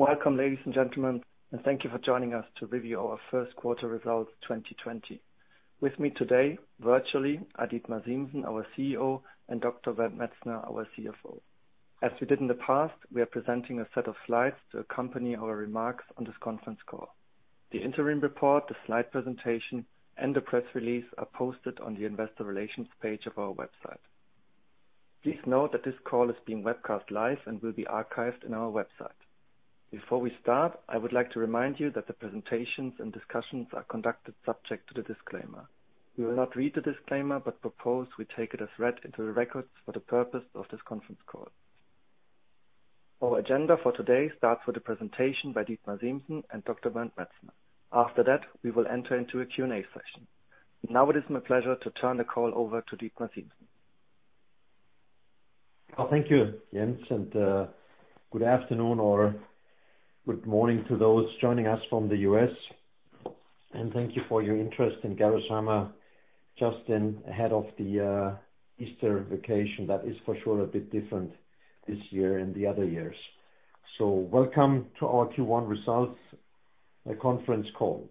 Welcome, ladies and gentlemen. Thank you for joining us to review our first quarter results 2020. With me today, virtually, Dietmar Siemssen, our CEO, and Dr. Bernd Metzner, our CFO. As we did in the past, we are presenting a set of slides to accompany our remarks on this conference call. The interim report, the slide presentation, and the press release are posted on the investor relations page of our website. Please note that this call is being webcast live and will be archived on our website. Before we start, I would like to remind you that the presentations and discussions are conducted subject to the disclaimer. We will not read the disclaimer but propose we take it as read into the records for the purpose of this conference call. Our agenda for today starts with the presentation by Dietmar Siemssen and Dr. Bernd Metzner. After that, we will enter into a Q&A session. Now it is my pleasure to turn the call over to Dietmar Siemssen. Thank you, Jens, good afternoon or good morning to those joining us from the U.S. Thank you for your interest in Gerresheimer, just ahead of the Easter vacation, that is for sure a bit different this year and the other years. Welcome to our Q1 results, a conference call.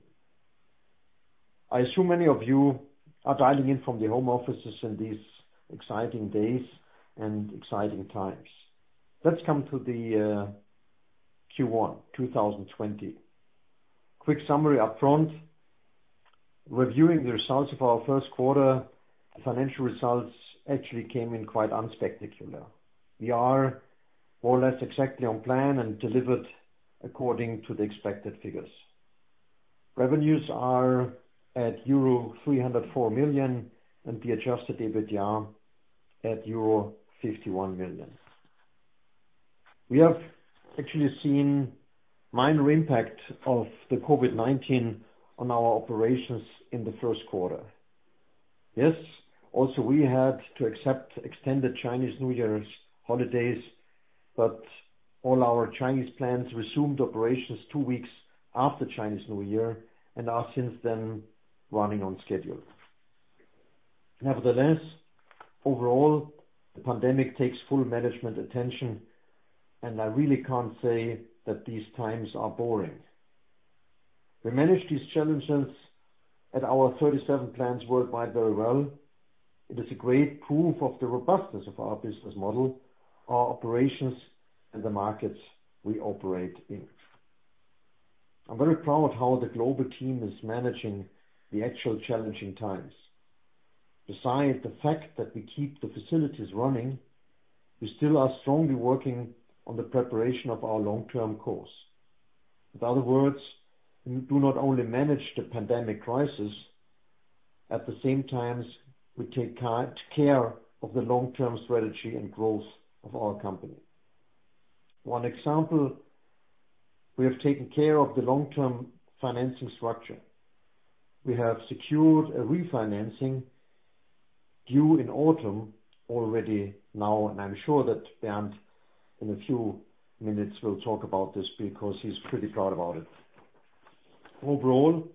I assume many of you are dialing in from the home offices in these exciting days and exciting times. Let's come to the Q1 2020. Quick summary up front. Reviewing the results of our first quarter, the financial results actually came in quite unspectacular. We are more or less exactly on plan and delivered according to the expected figures. Revenues are at euro 304 million and the adjusted EBITDA at euro 51 million. We have actually seen minor impact of the COVID-19 on our operations in the first quarter. Yes, we had to accept extended Chinese New Year's holidays. All our Chinese plants resumed operations two weeks after Chinese New Year and are since then running on schedule. Overall, the pandemic takes full management attention. I really can't say that these times are boring. We manage these challenges at our 37 plants worldwide very well. It is a great proof of the robustness of our business model, our operations in the markets we operate in. I'm very proud of how the global team is managing the actual challenging times. Besides the fact that we keep the facilities running, we still are strongly working on the preparation of our long-term course. In other words, we do not only manage the pandemic crisis, at the same time, we take care of the long-term strategy and growth of our company. One example, we have taken care of the long-term financing structure. We have secured a refinancing due in autumn already now, and I'm sure that Bernd in a few minutes will talk about this because he's pretty proud about it. Overall,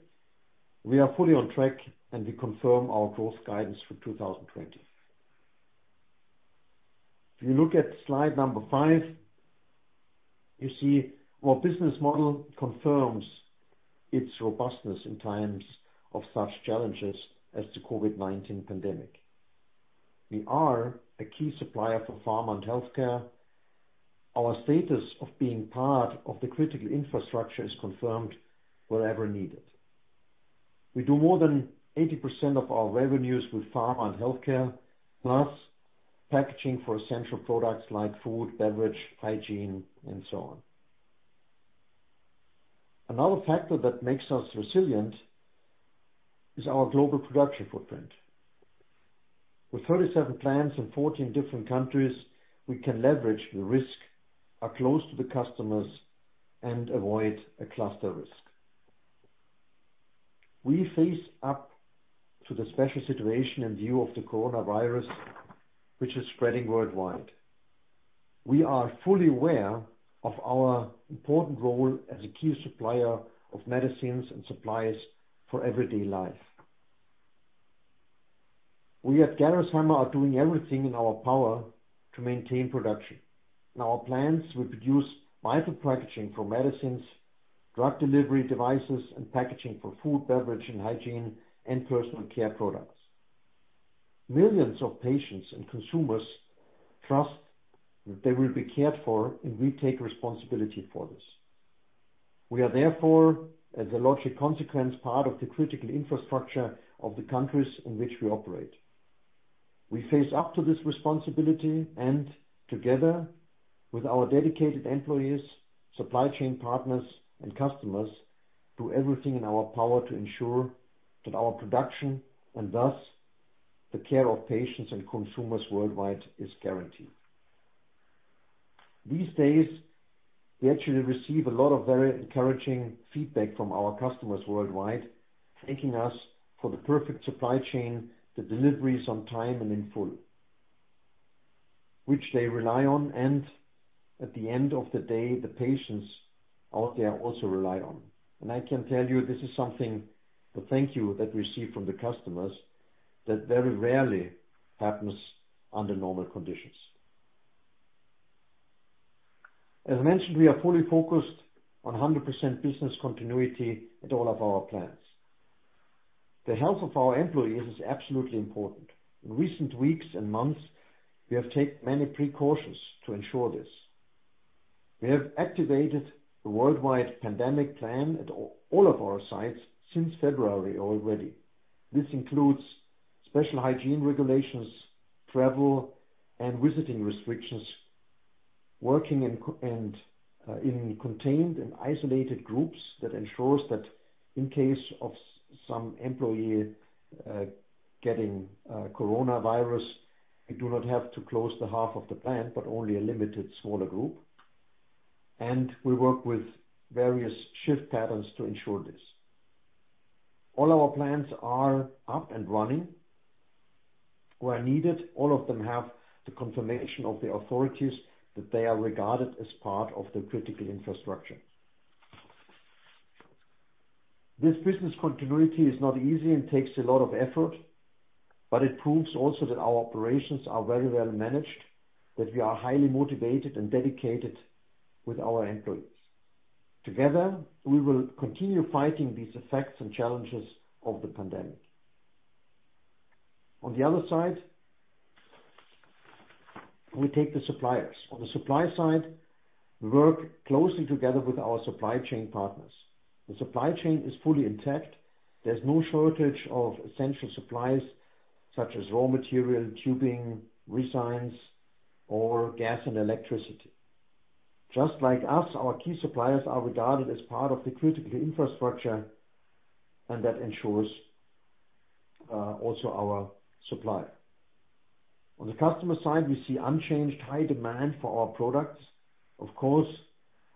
we are fully on track, and we confirm our growth guidance for 2020. If you look at slide number five, you see our business model confirms its robustness in times of such challenges as the COVID-19 pandemic. We are a key supplier for pharma and healthcare. Our status of being part of the critical infrastructure is confirmed wherever needed. We do more than 80% of our revenues with pharma and healthcare, plus packaging for essential products like food, beverage, hygiene, and so on. Another factor that makes us resilient is our global production footprint. With 37 plants in 14 different countries, we can leverage the risk, are close to the customers, and avoid a cluster risk. We face up to the special situation in view of the coronavirus, which is spreading worldwide. We are fully aware of our important role as a key supplier of medicines and supplies for everyday life. We at Gerresheimer are doing everything in our power to maintain production. In our plants, we produce vital packaging for medicines, drug delivery devices, and packaging for food, beverage, and hygiene and personal care products. Millions of patients and consumers trust that they will be cared for, and we take responsibility for this. We are therefore, as a logic consequence, part of the critical infrastructure of the countries in which we operate. We face up to this responsibility and, together with our dedicated employees, supply chain partners, and customers, do everything in our power to ensure that our production, and thus the care of patients and consumers worldwide, is guaranteed. These days, we actually receive a lot of very encouraging feedback from our customers worldwide, thanking us for the perfect supply chain, the deliveries on time and in full, which they rely on and, at the end of the day, the patients out there also rely on. I can tell you, this is something, the thank you that we receive from the customers. That very rarely happens under normal conditions. As mentioned, we are fully focused on 100% business continuity at all of our plants. The health of our employees is absolutely important. In recent weeks and months, we have taken many precautions to ensure this. We have activated a worldwide pandemic plan at all of our sites since February already. This includes special hygiene regulations, travel and visiting restrictions, working in contained and isolated groups that ensures that in case of some employee getting coronavirus, we do not have to close the half of the plant, but only a limited smaller group. We work with various shift patterns to ensure this. All our plants are up and running. Where needed, all of them have the confirmation of the authorities that they are regarded as part of the critical infrastructure. This business continuity is not easy and takes a lot of effort, but it proves also that our operations are very well managed, that we are highly motivated and dedicated with our employees. Together, we will continue fighting these effects and challenges of the pandemic. On the other side, we take the suppliers. On the supply side, we work closely together with our supply chain partners. The supply chain is fully intact. There's no shortage of essential supplies such as raw material, tubing, resins, or gas and electricity. Just like us, our key suppliers are regarded as part of the critical infrastructure, and that ensures also our supply. On the customer side, we see unchanged high demand for our products. Of course,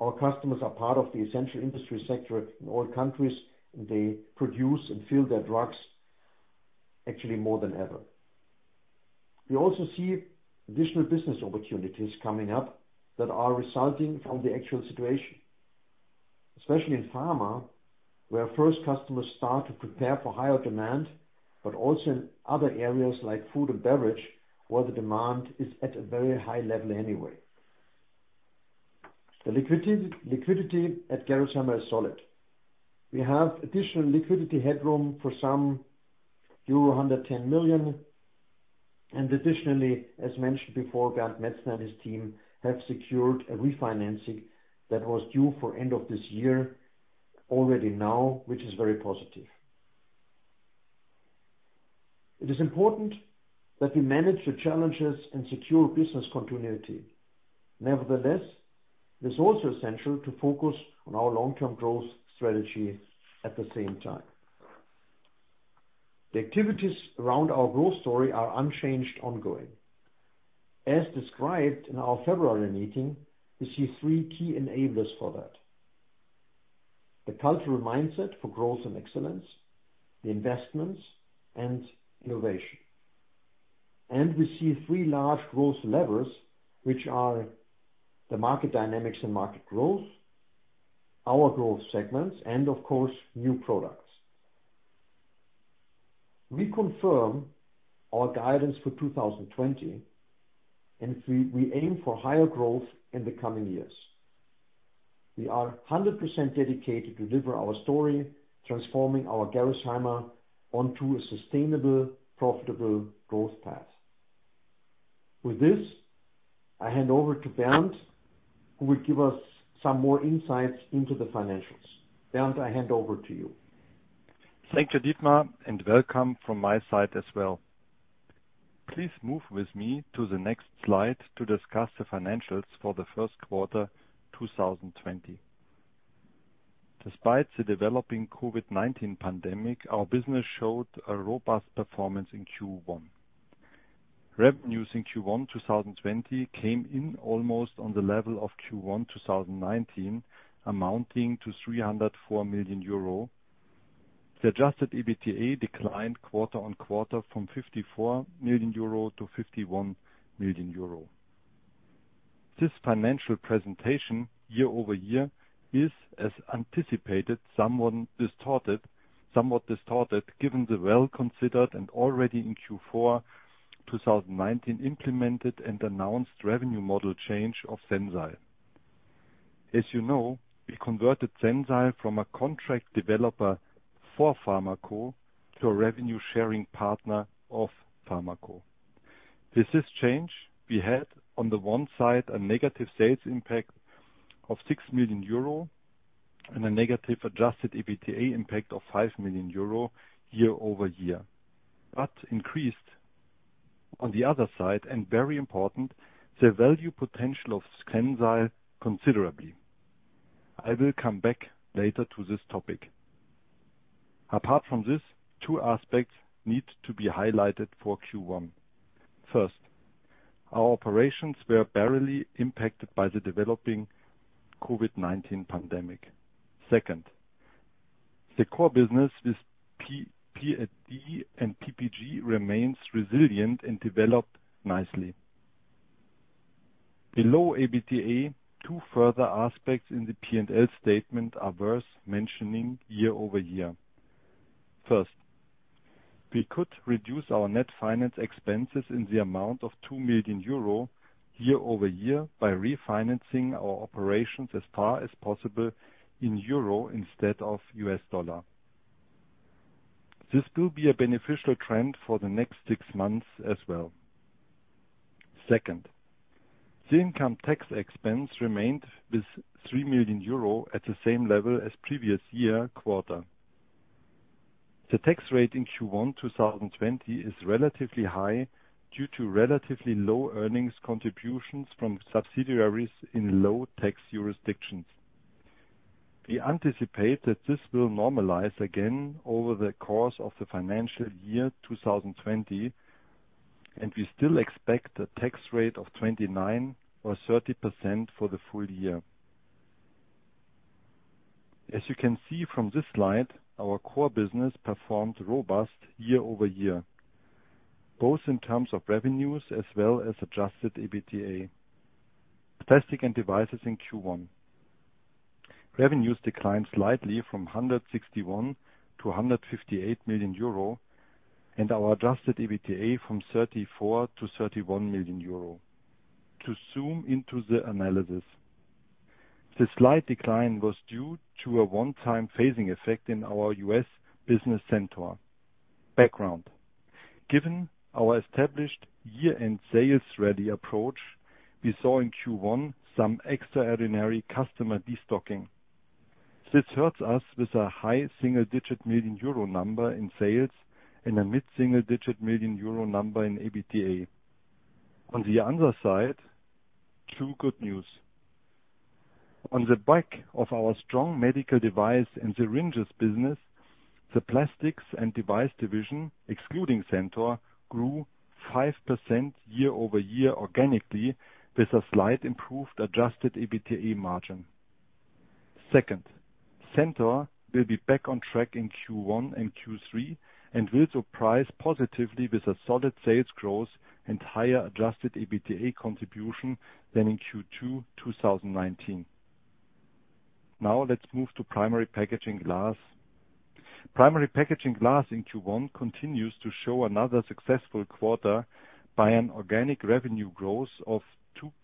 our customers are part of the essential industry sector in all countries, and they produce and fill their drugs actually more than ever. We also see additional business opportunities coming up that are resulting from the actual situation, especially in pharma, where first customers start to prepare for higher demand, but also in other areas like food and beverage, where the demand is at a very high level anyway. The liquidity at Gerresheimer is solid. We have additional liquidity headroom for some euro 110 million. Additionally, as mentioned before, Bernd Metzner and his team have secured a refinancing that was due for end of this year already now, which is very positive. It is important that we manage the challenges and secure business continuity. Nevertheless, it's also essential to focus on our long-term growth strategy at the same time. The activities around our growth story are unchanged ongoing. As described in our February meeting, we see three key enablers for that. The cultural mindset for growth and excellence, the investments, and innovation. We see three large growth levers, which are the market dynamics and market growth, our growth segments, and of course, new products. We confirm our guidance for 2020, and we aim for higher growth in the coming years. We are 100% dedicated to deliver our story, transforming our Gerresheimer onto a sustainable, profitable growth path. With this, I hand over to Bernd, who will give us some more insights into the financials. Bernd, I hand over to you. Thank you, Dietmar, and welcome from my side as well. Please move with me to the next slide to discuss the financials for the first quarter 2020. Despite the developing COVID-19 pandemic, our business showed a robust performance in Q1. Revenues in Q1 2020 came in almost on the level of Q1 2019, amounting to 304 million euro. The adjusted EBITDA declined quarter-on-quarter from 54 million euro to 51 million euro. This financial presentation year-over-year is, as anticipated, somewhat distorted, given the well-considered and already in Q4 2019 implemented and announced revenue model change of Sensile. As you know, we converted Sensile from a contract developer for Pharmaco to a revenue-sharing partner of Pharmaco. With this change, we had on the one side a negative sales impact of 6 million euro and a negative adjusted EBITDA impact of 5 million euro year-over-year, but increased on the other side, and very important, the value potential of Sensile considerably. I will come back later to this topic. Apart from this, two aspects need to be highlighted for Q1. First, our operations were barely impacted by the developing COVID-19 pandemic. Second, the core business with PD and PPG remains resilient and developed nicely. Below EBITDA, two further aspects in the P&L statement are worth mentioning year-over-year. First, we could reduce our net finance expenses in the amount of 2 million euro year-over-year by refinancing our operations as far as possible in euro instead of U.S. dollar. This will be a beneficial trend for the next six months as well. Second, the income tax expense remained with 3 million euro at the same level as previous year quarter. The tax rate in Q1 2020 is relatively high due to relatively low earnings contributions from subsidiaries in low-tax jurisdictions. We anticipate that this will normalize again over the course of the financial year 2020, and we still expect a tax rate of 29% or 30% for the full year. As you can see from this slide, our core business performed robust year-over-year, both in terms of revenues as well as adjusted EBITDA. Plastics & Devices in Q1. Revenues declined slightly from 161 million to 158 million euro, and our adjusted EBITDA from 34 million to 31 million euro. To zoom into the analysis. The slight decline was due to a one-time phasing effect in our U.S. business center. Background: given our established year-end sales-ready approach, we saw in Q1 some extraordinary customer destocking. This hurts us with a high single-digit million euro number in sales and a mid-single-digit million euro number in EBITDA. On the other side, two good news. On the back of our strong medical device and syringes business, the Plastics & Devices Division, excluding Centor, grew 5% year-over-year organically with a slight improved adjusted EBITDA margin. Second, Centor will be back on track in Q1 and Q3 and will surprise positively with a solid sales growth and higher adjusted EBITDA contribution than in Q2 2019. Let's move to Primary Packaging Glass. Primary Packaging Glass in Q1 continues to show another successful quarter by an organic revenue growth of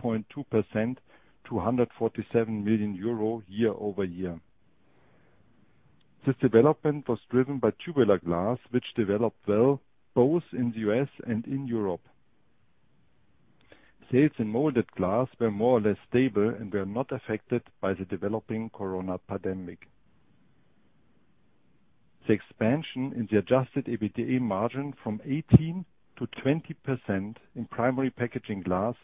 2.2% to 147 million euro year-over-year. This development was driven by tubular glass, which developed well both in the U.S. and in Europe. Sales in molded glass were more or less stable and were not affected by the developing coronavirus pandemic. The expansion in the adjusted EBITDA margin from 18%-20% in Primary Packaging Glass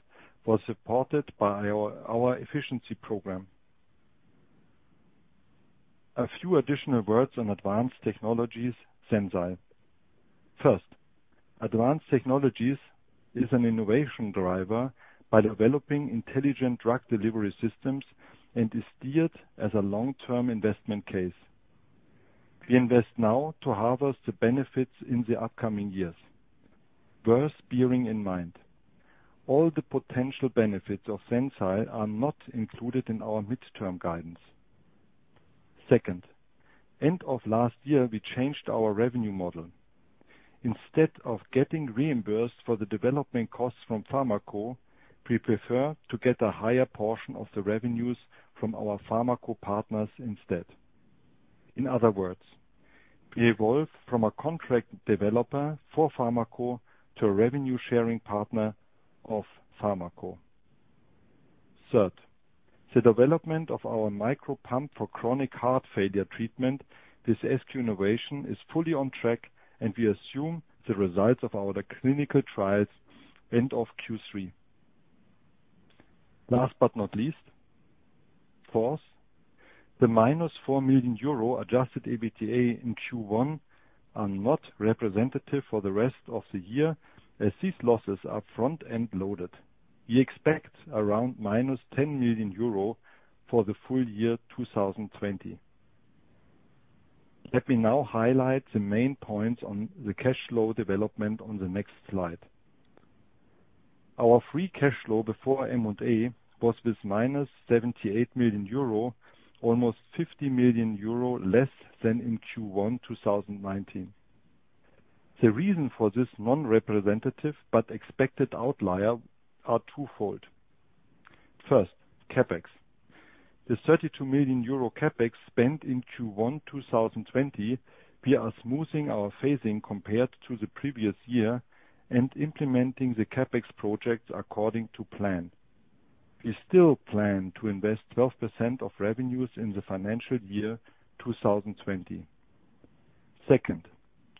was supported by our efficiency program. A few additional words on Advanced Technologies Sensile. First, Advanced Technologies is an innovation driver by developing intelligent drug delivery systems and is steered as a long-term investment case. We invest now to harvest the benefits in the upcoming years. Worth bearing in mind, all the potential benefits of Sensile are not included in our midterm guidance. Second, end of last year, we changed our revenue model. Instead of getting reimbursed for the development costs from Pharmaco, we prefer to get a higher portion of the revenues from our Pharmaco partners instead. In other words, we evolve from a contract developer for Pharmaco to a revenue-sharing partner of Pharmaco. Third, the development of our micropump for chronic heart failure treatment, this SQ Innovation is fully on track, and we assume the results of our clinical trials end of Q3. Last but not least, fourth, the -4 million euro adjusted EBITDA in Q1 are not representative for the rest of the year, as these losses are front-end loaded. We expect around -10 million euro for the full year 2020. Let me now highlight the main points on the cash flow development on the next slide. Our free cash flow before M&A was with -78 million euro, almost 50 million euro less than in Q1 2019. The reason for this non-representative but expected outlier are twofold. First, CapEx. The 32 million euro CapEx spent in Q1 2020, we are smoothing our phasing compared to the previous year and implementing the CapEx projects according to plan. We still plan to invest 12% of revenues in the financial year 2020. Second,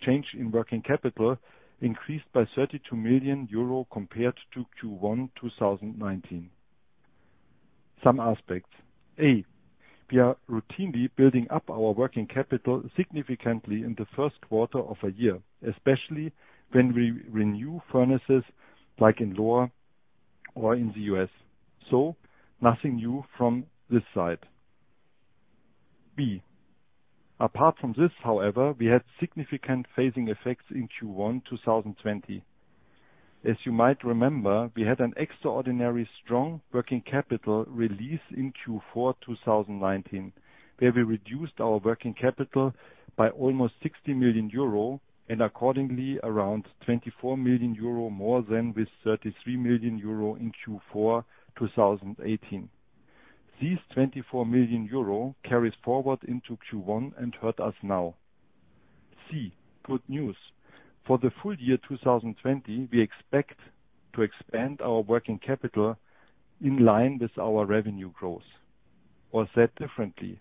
change in working capital increased by 32 million euro compared to Q1 2019. Some aspects. A, we are routinely building up our working capital significantly in the first quarter of a year, especially when we renew furnaces like in Lohr or in the U.S. Nothing new from this side. B, apart from this, however, we had significant phasing effects in Q1 2020. As you might remember, we had an extraordinary strong working capital release in Q4 2019, where we reduced our working capital by almost 60 million euro and accordingly around 24 million euro more than with 33 million euro in Q4 2018. These 24 million euro carries forward into Q1 and hurt us now. C, good news. For the full year 2020, we expect to expand our working capital in line with our revenue growth. Said differently,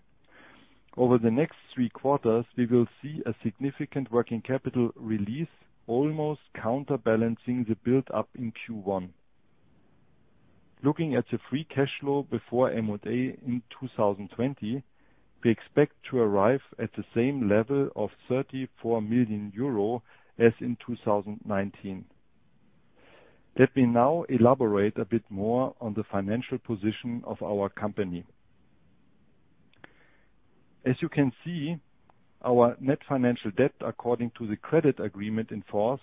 over the next three quarters, we will see a significant working capital release almost counterbalancing the build-up in Q1. Looking at the free cash flow before M&A in 2020, we expect to arrive at the same level of 34 million euro as in 2019. Let me now elaborate a bit more on the financial position of our company. As you can see, our net financial debt according to the credit agreement in force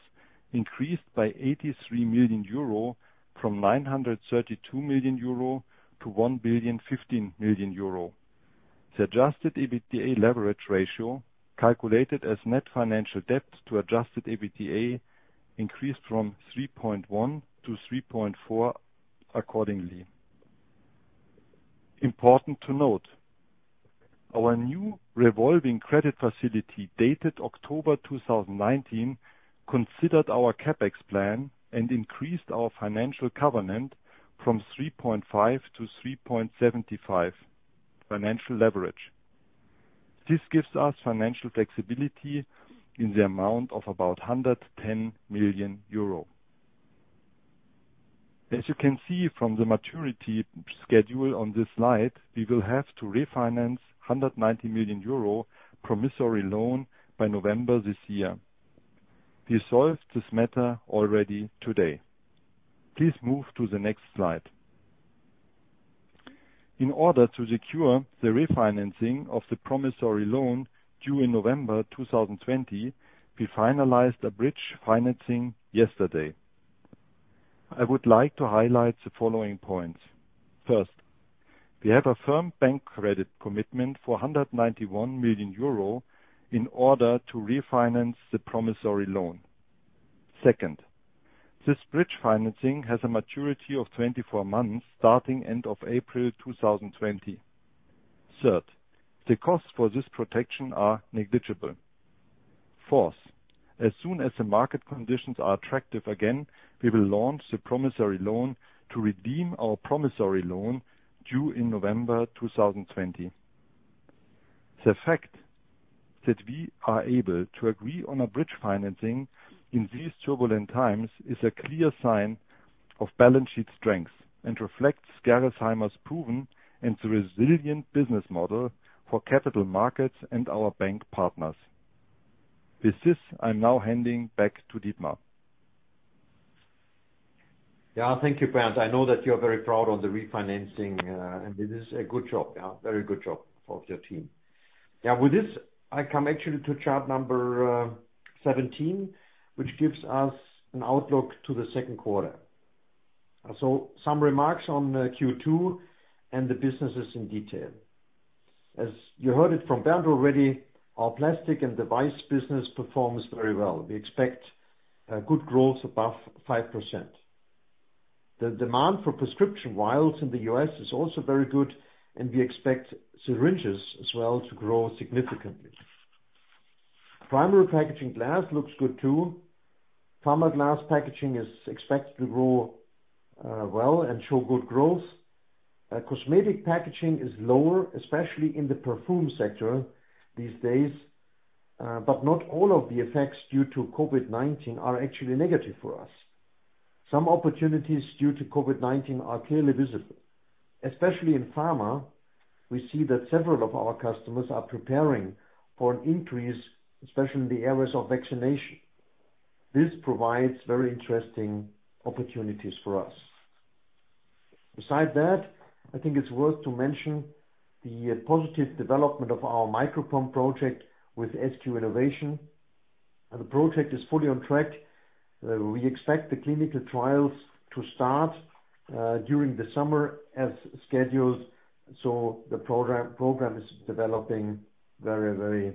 increased by 83 million euro from 932 million euro to 1,015,000,000 euro. The adjusted EBITDA leverage ratio, calculated as net financial debt to adjusted EBITDA, increased from 3.1 to 3.4 accordingly. Important to note, our new revolving credit facility dated October 2019 considered our CapEx plan and increased our financial covenant from 3.5 to 3.75 financial leverage. This gives us financial flexibility in the amount of about 110 million euro. As you can see from the maturity schedule on this slide, we will have to refinance 190 million euro promissory loan by November this year. We solved this matter already today. Please move to the next slide. In order to secure the refinancing of the promissory loan due in November 2020, we finalized a bridge financing yesterday. I would like to highlight the following points. First, we have a firm bank credit commitment for 191 million euro in order to refinance the promissory loan. Second, this bridge financing has a maturity of 24 months starting end of April 2020. Third, the costs for this protection are negligible. Fourth, as soon as the market conditions are attractive again, we will launch the promissory loan to redeem our promissory loan due in November 2020. The fact that we are able to agree on a bridge financing in these turbulent times is a clear sign of balance sheet strength and reflects Gerresheimer's proven and resilient business model for capital markets and our bank partners. With this, I'm now handing back to Dietmar. Thank you, Bernd. I know that you're very proud of the refinancing, and it is a good job. Very good job of your team. With this, I come actually to chart number 17, which gives us an outlook to the second quarter. Some remarks on Q2 and the businesses in detail. As you heard it from Bernd already, our Plastics & Devices business performs very well. We expect good growth above 5%. The demand for prescription vials in the U.S. is also very good. We expect syringes as well to grow significantly. Primary Packaging Glass looks good, too. Pharma glass packaging is expected to grow well and show good growth. Cosmetic packaging is lower, especially in the perfume sector these days. Not all of the effects due to COVID-19 are actually negative for us. Some opportunities due to COVID-19 are clearly visible. Especially in pharma, we see that several of our customers are preparing for an increase, especially in the areas of vaccination. This provides very interesting opportunities for us. Beside that, I think it's worth to mention the positive development of our micropump project with SQ Innovation. The project is fully on track. We expect the clinical trials to start during the summer as scheduled. The program is developing very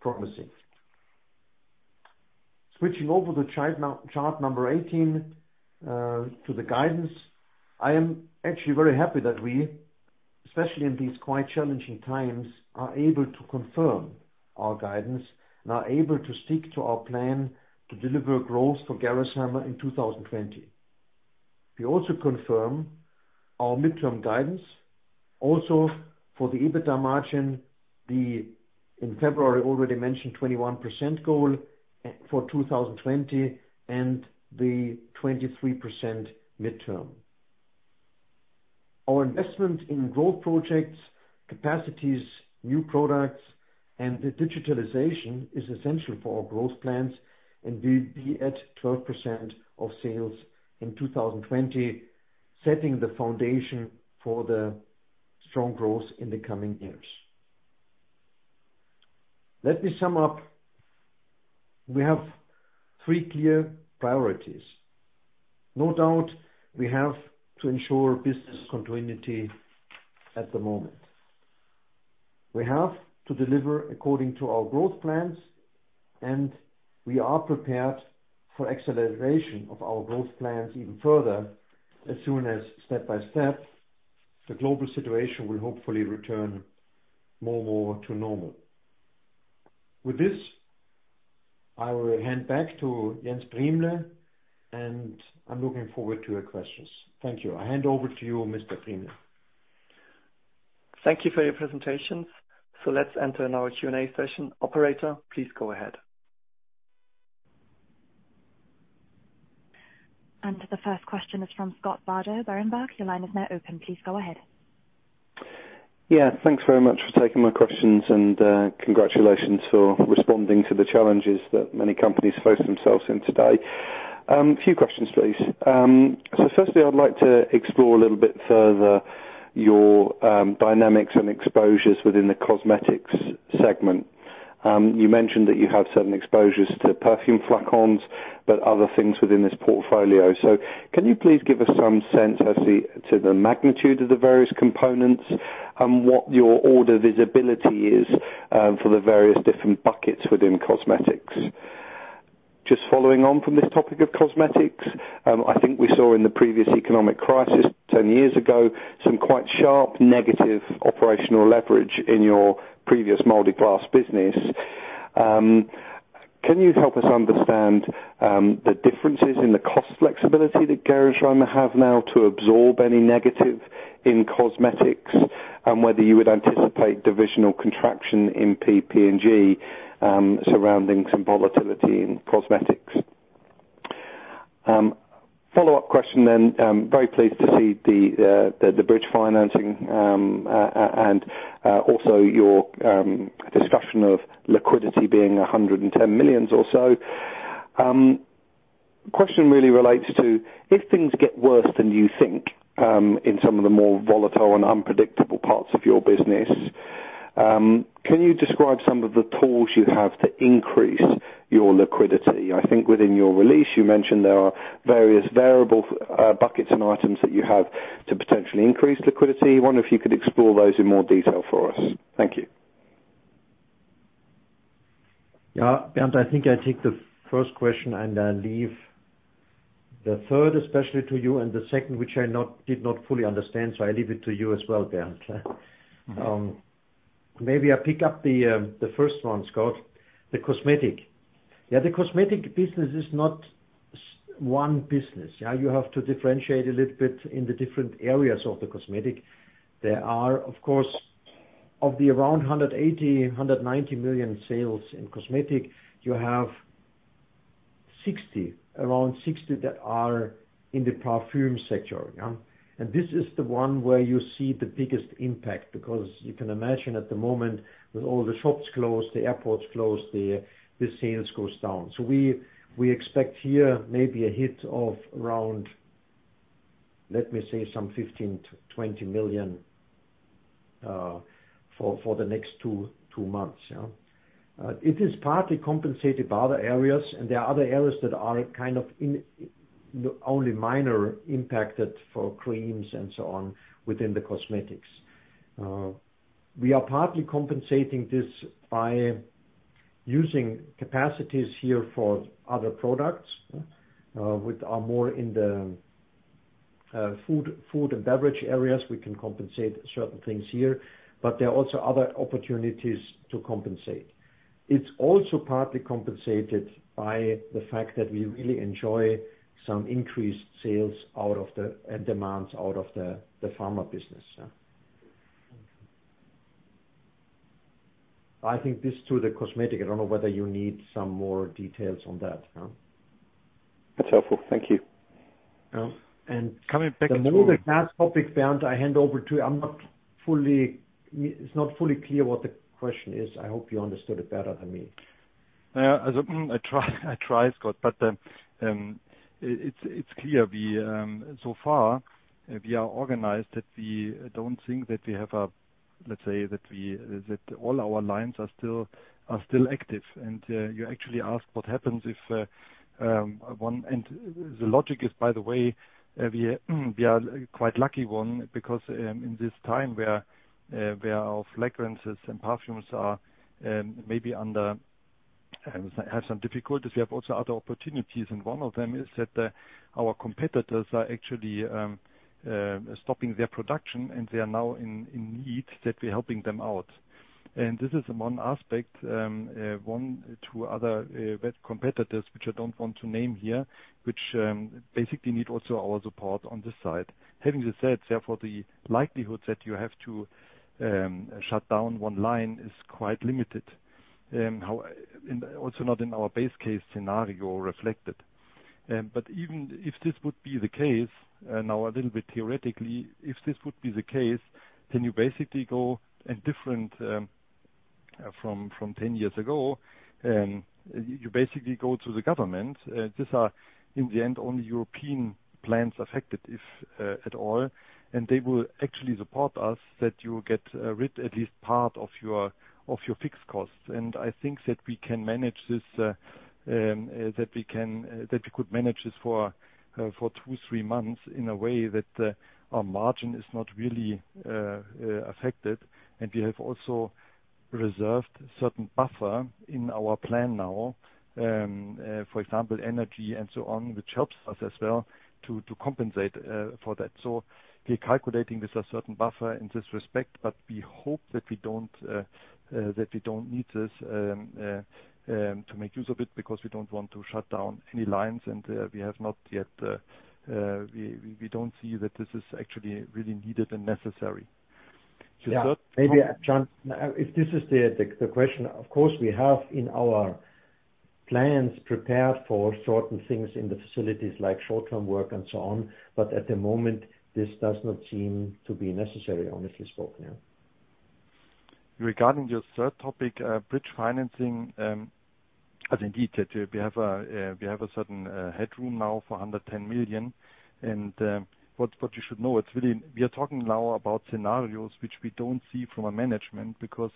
promising. Switching over to chart number 18, to the guidance. I am actually very happy that we, especially in these quite challenging times, are able to confirm our guidance and are able to stick to our plan to deliver growth for Gerresheimer in 2020. We also confirm our midterm guidance also for the EBITDA margin, the in February already mentioned 21% goal for 2020 and the 23% midterm. Our investment in growth projects, capacities, new products, and the digitalization is essential for our growth plans, and we'll be at 12% of sales in 2020, setting the foundation for the strong growth in the coming years. Let me sum up. We have three clear priorities. No doubt, we have to ensure business continuity at the moment. We have to deliver according to our growth plans, and we are prepared for acceleration of our growth plans even further, as soon as, step by step, the global situation will hopefully return more to normal. With this, I will hand back to Jens Briemle, and I'm looking forward to your questions. Thank you. I hand over to you, Mr. Briemle. Thank you for your presentations. Let's enter now our Q&A session. Operator, please go ahead. The first question is from Scott Bardo, Berenberg. Your line is now open. Please go ahead. Yeah. Thanks very much for taking my questions, and congratulations for responding to the challenges that many companies face themselves in today. A few questions, please. Firstly, I'd like to explore a little bit further your dynamics and exposures within the cosmetics segment. You mentioned that you have certain exposures to perfume flacons, but other things within this portfolio. Can you please give us some sense as to the magnitude of the various components and what your order visibility is for the various different buckets within cosmetics? Just following on from this topic of cosmetics, I think we saw in the previous economic crisis 10 years ago, some quite sharp negative operational leverage in your previous molded glass business. Can you help us understand the differences in the cost flexibility that Gerresheimer have now to absorb any negative in cosmetics? Whether you would anticipate divisional contraction in PPG surrounding some volatility in cosmetics. Follow-up question. Very pleased to see the bridge financing, and also your discussion of liquidity being 110 million or so. Question really relates to, if things get worse than you think in some of the more volatile and unpredictable parts of your business, can you describe some of the tools you have to increase your liquidity? I think within your release, you mentioned there are various variable buckets and items that you have to potentially increase liquidity. I wonder if you could explore those in more detail for us. Thank you. Bernd, I think I take the first question and I leave the third, especially to you, and the second, which I did not fully understand, so I leave it to you as well, Bernd. Maybe I pick up the first one, Scott. The cosmetic business is not one business. You have to differentiate a little bit in the different areas of the cosmetic. There are, of course, of the around 180 million-190 million sales in cosmetic, you have around 60 million that are in the perfume sector. This is the one where you see the biggest impact, because you can imagine at the moment, with all the shops closed, the airports closed, the sales goes down. We expect here maybe a hit of around, let me say, some 15 million-20 million for the next two months. It is partly compensated by other areas. There are other areas that are only minor impacted for creams and so on within the cosmetics. We are partly compensating this by using capacities here for other products, which are more in the food and beverage areas. We can compensate certain things here. There are also other opportunities to compensate. It's also partly compensated by the fact that we really enjoy some increased sales and demands out of the pharma business. I think this to the cosmetic. I don't know whether you need some more details on that. That's helpful. Thank you. And- Coming back to- The molded glass topic, Bernd, I hand over to you. It is not fully clear what the question is. I hope you understood it better than me. I try, Scott. It's clear. Far we are organized that we don't think that we have a, let's say, that all our lines are still active. You actually ask what happens if the logic is, by the way, we are quite lucky one, because in this time where our fragrances and perfumes have some difficulties, we have also other opportunities. One of them is that our competitors are actually stopping their production. They are now in need, that we're helping them out. This is one aspect. One, two other competitors, which I don't want to name here, which basically need also our support on this side. Having this said, therefore, the likelihood that you have to shut down one line is quite limited. It is also not in our base case scenario reflected. Even if this would be the case, now a little bit theoretically, if this would be the case, then you basically go. From 10 years ago, you basically go to the government. These are, in the end, only European plants affected, if at all, and they will actually support us that you get rid at least part of your fixed costs. I think that we could manage this for two, three months in a way that our margin is not really affected. We have also reserved a certain buffer in our plan now, for example, energy and so on, which helps us as well to compensate for that. We're calculating with a certain buffer in this respect, but we hope that we don't need to make use of it, because we don't want to shut down any lines. We don't see that this is actually really needed and necessary. Yeah. Maybe, Scott, if this is the question, of course, we have in our plans prepared for certain things in the facilities, like short-term work and so on. At the moment, this does not seem to be necessary, honestly spoken. Yeah. Regarding your third topic, bridge financing, what you should know, we are talking now about scenarios which we don't see from a management, because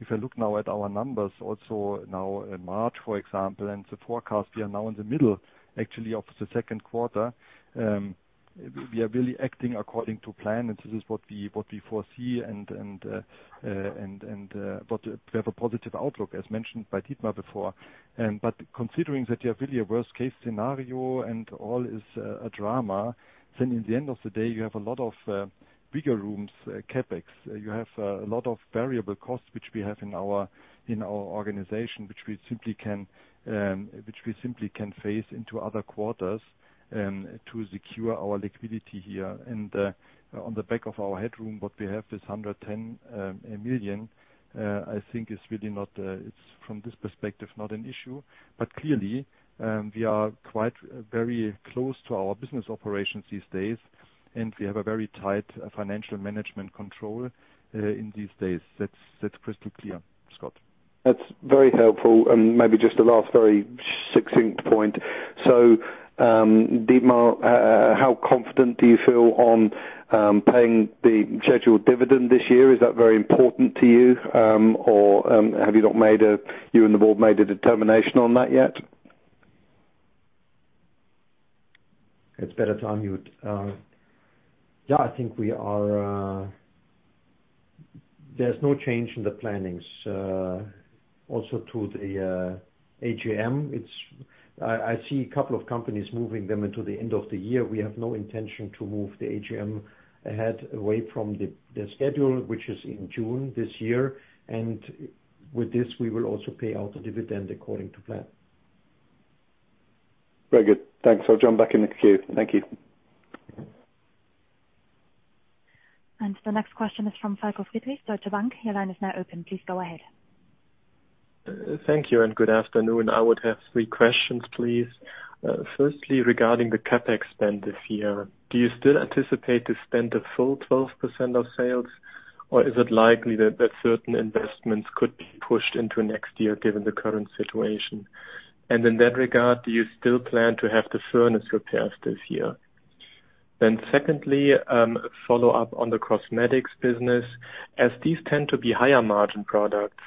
if I look now at our numbers also now in March, for example, and the forecast, we are now in the middle, actually, of the second quarter. We are really acting according to plan, this is what we foresee, we have a positive outlook, as mentioned by Dietmar before. Considering that you have really a worst-case scenario and all is a drama, then in the end of the day, you have a lot of bigger rooms, CapEx. You have a lot of variable costs, which we have in our organization, which we simply can phase into other quarters to secure our liquidity here. On the back of our headroom, what we have is 110 million. I think it's, from this perspective, not an issue. Clearly, we are quite very close to our business operations these days, and we have a very tight financial management control in these days. That's crystal clear, Scott. That's very helpful. Maybe just a last very succinct point. Dietmar, how confident do you feel on paying the scheduled dividend this year? Is that very important to you? Have you and the board made a determination on that yet? It's better to unmute. Yeah, I think there's no change in the plannings. Also to the AGM. I see a couple of companies moving them into the end of the year. We have no intention to move the AGM ahead away from the schedule, which is in June this year. With this, we will also pay out the dividend according to plan. Very good. Thanks. I'll join back in the queue. Thank you. The next question is from Falko Friedrichs, Deutsche Bank. Your line is now open. Please go ahead. Thank you. Good afternoon. I would have three questions, please. Firstly, regarding the CapEx spend this year, do you still anticipate to spend the full 12% of sales, or is it likely that certain investments could be pushed into next year given the current situation? In that regard, do you still plan to have the furnace repairs this year? Secondly, follow up on the cosmetics business. As these tend to be higher margin products,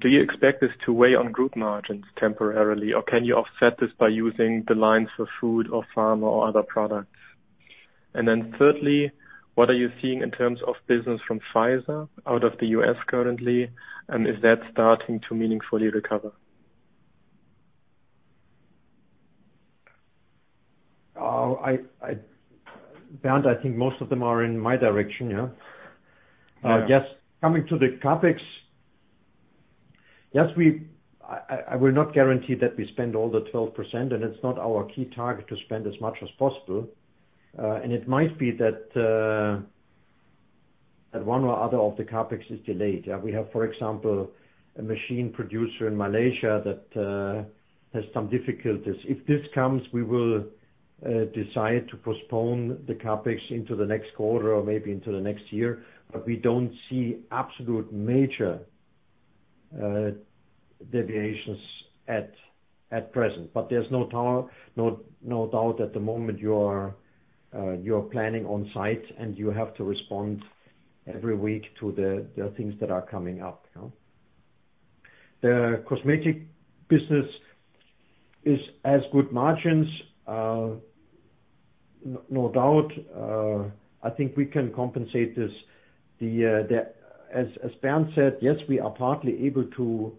do you expect this to weigh on group margins temporarily, or can you offset this by using the lines for food or pharma or other products? Thirdly, what are you seeing in terms of business from Pfizer out of the U.S. currently, and is that starting to meaningfully recover? Bernd, I think most of them are in my direction, yeah? Yeah. Yes. Coming to the CapEx. Yes, I will not guarantee that we spend all the 12%, and it's not our key target to spend as much as possible. It might be that one or other of the CapEx is delayed. We have, for example, a machine producer in Malaysia that has some difficulties. If this comes, we will decide to postpone the CapEx into the next quarter or maybe into the next year. We don't see absolute major deviations at present. There's no doubt at the moment you're planning on-site, and you have to respond every week to the things that are coming up. The cosmetic business has good margins. No doubt, I think we can compensate this. As Bernd said, yes, we are partly able to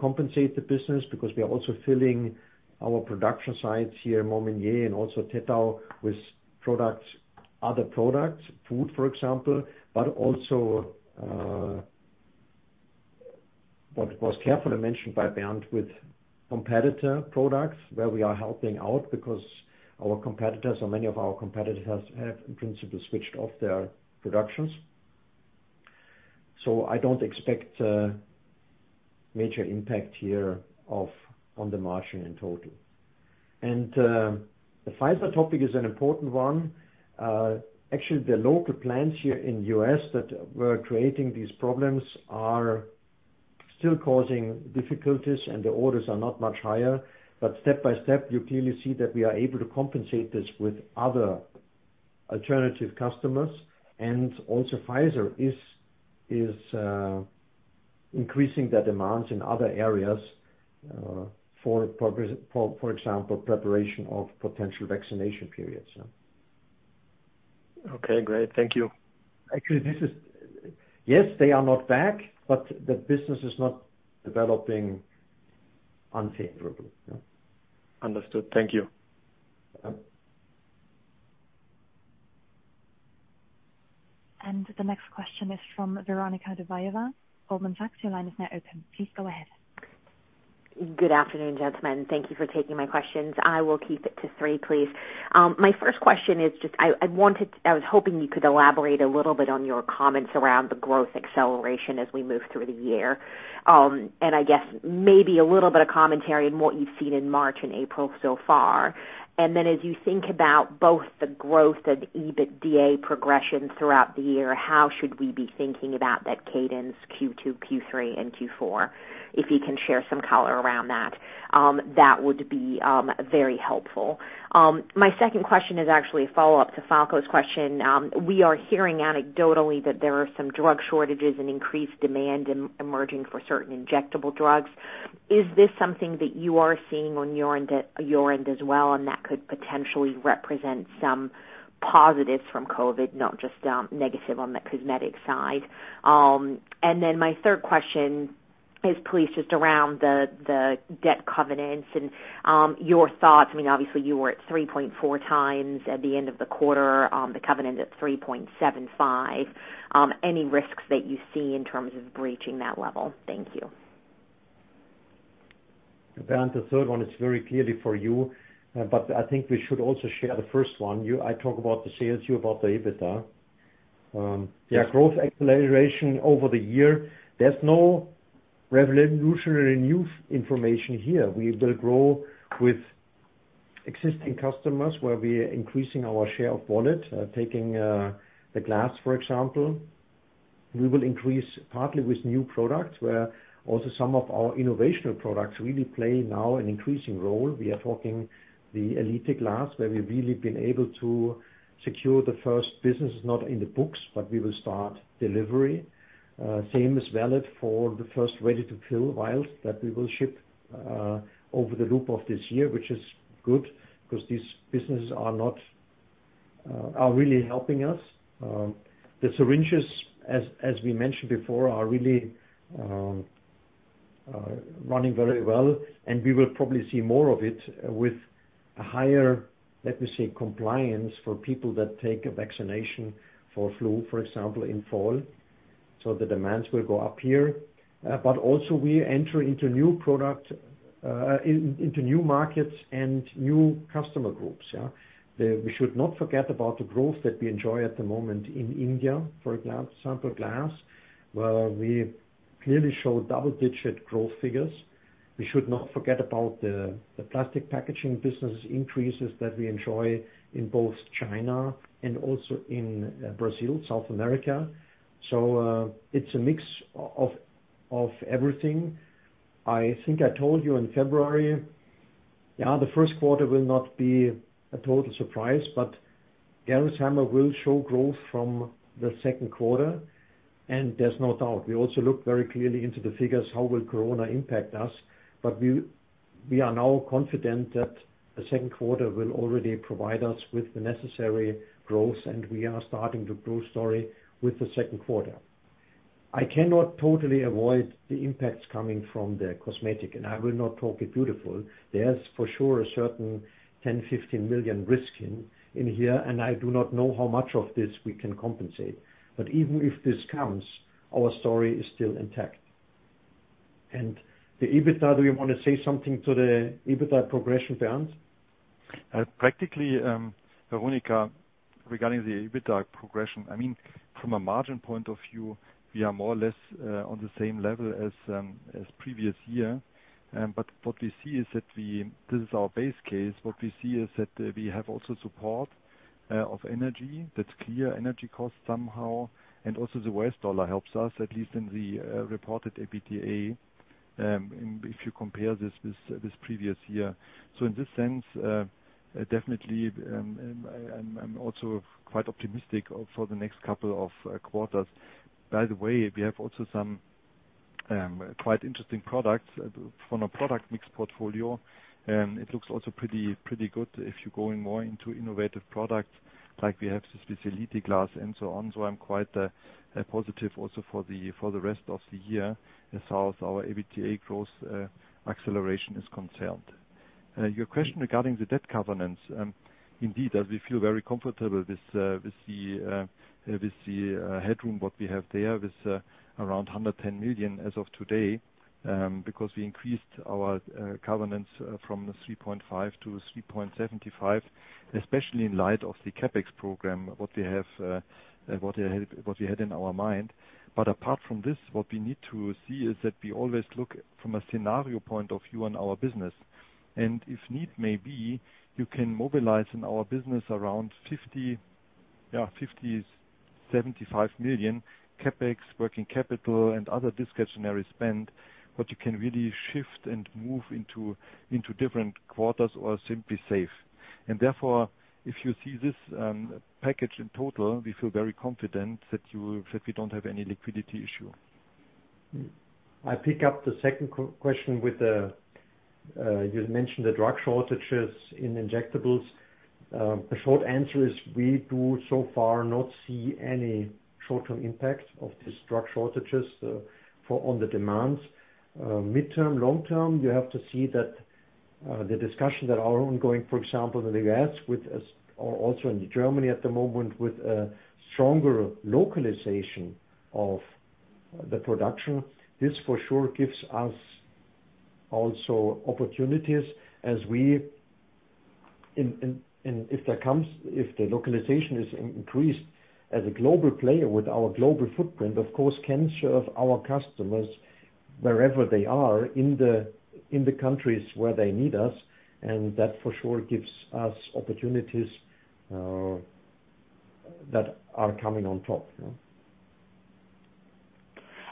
compensate the business because we are also filling our production sites here in Momignies and also Tettau with other products, food for example, but also what was carefully mentioned by Bernd with competitor products where we are helping out because our competitors or many of our competitors have, in principle, switched off their productions. Major impact here on the margin in total. The Pfizer topic is an important one. Actually, the local plants here in U.S. that were creating these problems are still causing difficulties, and the orders are not much higher. Step by step, you clearly see that we are able to compensate this with other alternative customers, and also Pfizer is increasing their demands in other areas, for example, preparation of potential vaccination periods. Okay, great. Thank you. Actually, yes, they are not back, but the business is not developing unfavorably. Understood. Thank you. Yeah. The next question is from Veronika Dubajova, Goldman Sachs. Your line is now open. Please go ahead. Good afternoon, gentlemen. Thank you for taking my questions. I will keep it to three, please. My first question is just, I was hoping you could elaborate a little bit on your comments around the growth acceleration as we move through the year. I guess maybe a little bit of commentary on what you've seen in March and April so far. As you think about both the growth and EBITDA progression throughout the year, how should we be thinking about that cadence Q2, Q3, and Q4? If you can share some color around that would be very helpful. My second question is actually a follow-up to Falko's question. We are hearing anecdotally that there are some drug shortages and increased demand emerging for certain injectable drugs. Is this something that you are seeing on your end as well, and that could potentially represent some positives from COVID, not just negative on the cosmetic side? My third question is please just around the debt covenants and your thoughts. Obviously, you were at 3.4 times at the end of the quarter, the covenant at 3.75. Any risks that you see in terms of breaching that level? Thank you. Bernd, the third one is very clearly for you, but I think we should also share the first one. I talk about the sales, you about the EBITDA. Yes. Growth acceleration over the year. There's no revolutionary new information here. We will grow with existing customers where we are increasing our share of wallet, taking the glass, for example. We will increase partly with new products where also some of our innovational products really play now an increasing role. We are talking the Gx Elite, where we've really been able to secure the first business, not in the books, but we will start delivery. Same is valid for the first ready-to-fill vials that we will ship over the loop of this year, which is good because these businesses are really helping us. The syringes, as we mentioned before, are really running very well, and we will probably see more of it with a higher, let me say, compliance for people that take a vaccination for flu, for example, in fall. The demands will go up here. Also we enter into new markets and new customer groups. We should not forget about the growth that we enjoy at the moment in India, for example, glass, where we clearly show double-digit growth figures. We should not forget about the plastic packaging business increases that we enjoy in both China and also in Brazil, South America. It's a mix of everything. I think I told you in February, the first quarter will not be a total surprise, but Gerresheimer will show growth from the second quarter, and there's no doubt. We also look very clearly into the figures, how will Corona impact us? We are now confident that the second quarter will already provide us with the necessary growth, and we are starting the growth story with the second quarter. I cannot totally avoid the impacts coming from the cosmetic, and I will not talk it beautiful. There's for sure a certain 10 million-15 million risk in here, and I do not know how much of this we can compensate. Even if this comes, our story is still intact. The EBITDA, do you want to say something to the EBITDA progression, Bernd? Practically, Veronika, regarding the EBITDA progression, from a margin point of view, we are more or less on the same level as previous year. What we see is that this is our base case. What we see is that we have also support of energy that's clear, energy costs somehow, and also the U.S. dollar helps us, at least in the reported EBITDA, if you compare this with previous year. In this sense, definitely, I'm also quite optimistic for the next couple of quarters. By the way, we have also some quite interesting products from a product mix portfolio. It looks also pretty good if you're going more into innovative products like we have the specialty glass and so on. I'm quite positive also for the rest of the year as far as our EBITDA growth acceleration is concerned. Your question regarding the debt covenants. Indeed, as we feel very comfortable with the headroom what we have there with around 110 million as of today, because we increased our covenants from 3.5 to 3.75, especially in light of the CapEx program, what we had in our mind. Apart from this, what we need to see is that we always look from a scenario point of view on our business. If need may be, you can mobilize in our business around 50 million, 75 million CapEx working capital and other discretionary spend, what you can really shift and move into different quarters or simply save. Therefore, if you see this package in total, we feel very confident that we don't have any liquidity issue. I pick up the second question with, you mentioned the drug shortages in injectables. The short answer is we do so far not see any short-term impact of these drug shortages on the demands. Mid-term, long-term, you have to see that the discussions that are ongoing, for example, in the U.S. with, also in Germany at the moment, with a stronger localization of the production. This for sure gives us also opportunities if the localization is increased as a global player with our global footprint, of course, can serve our customers wherever they are in the countries where they need us. That for sure gives us opportunities that are coming on top.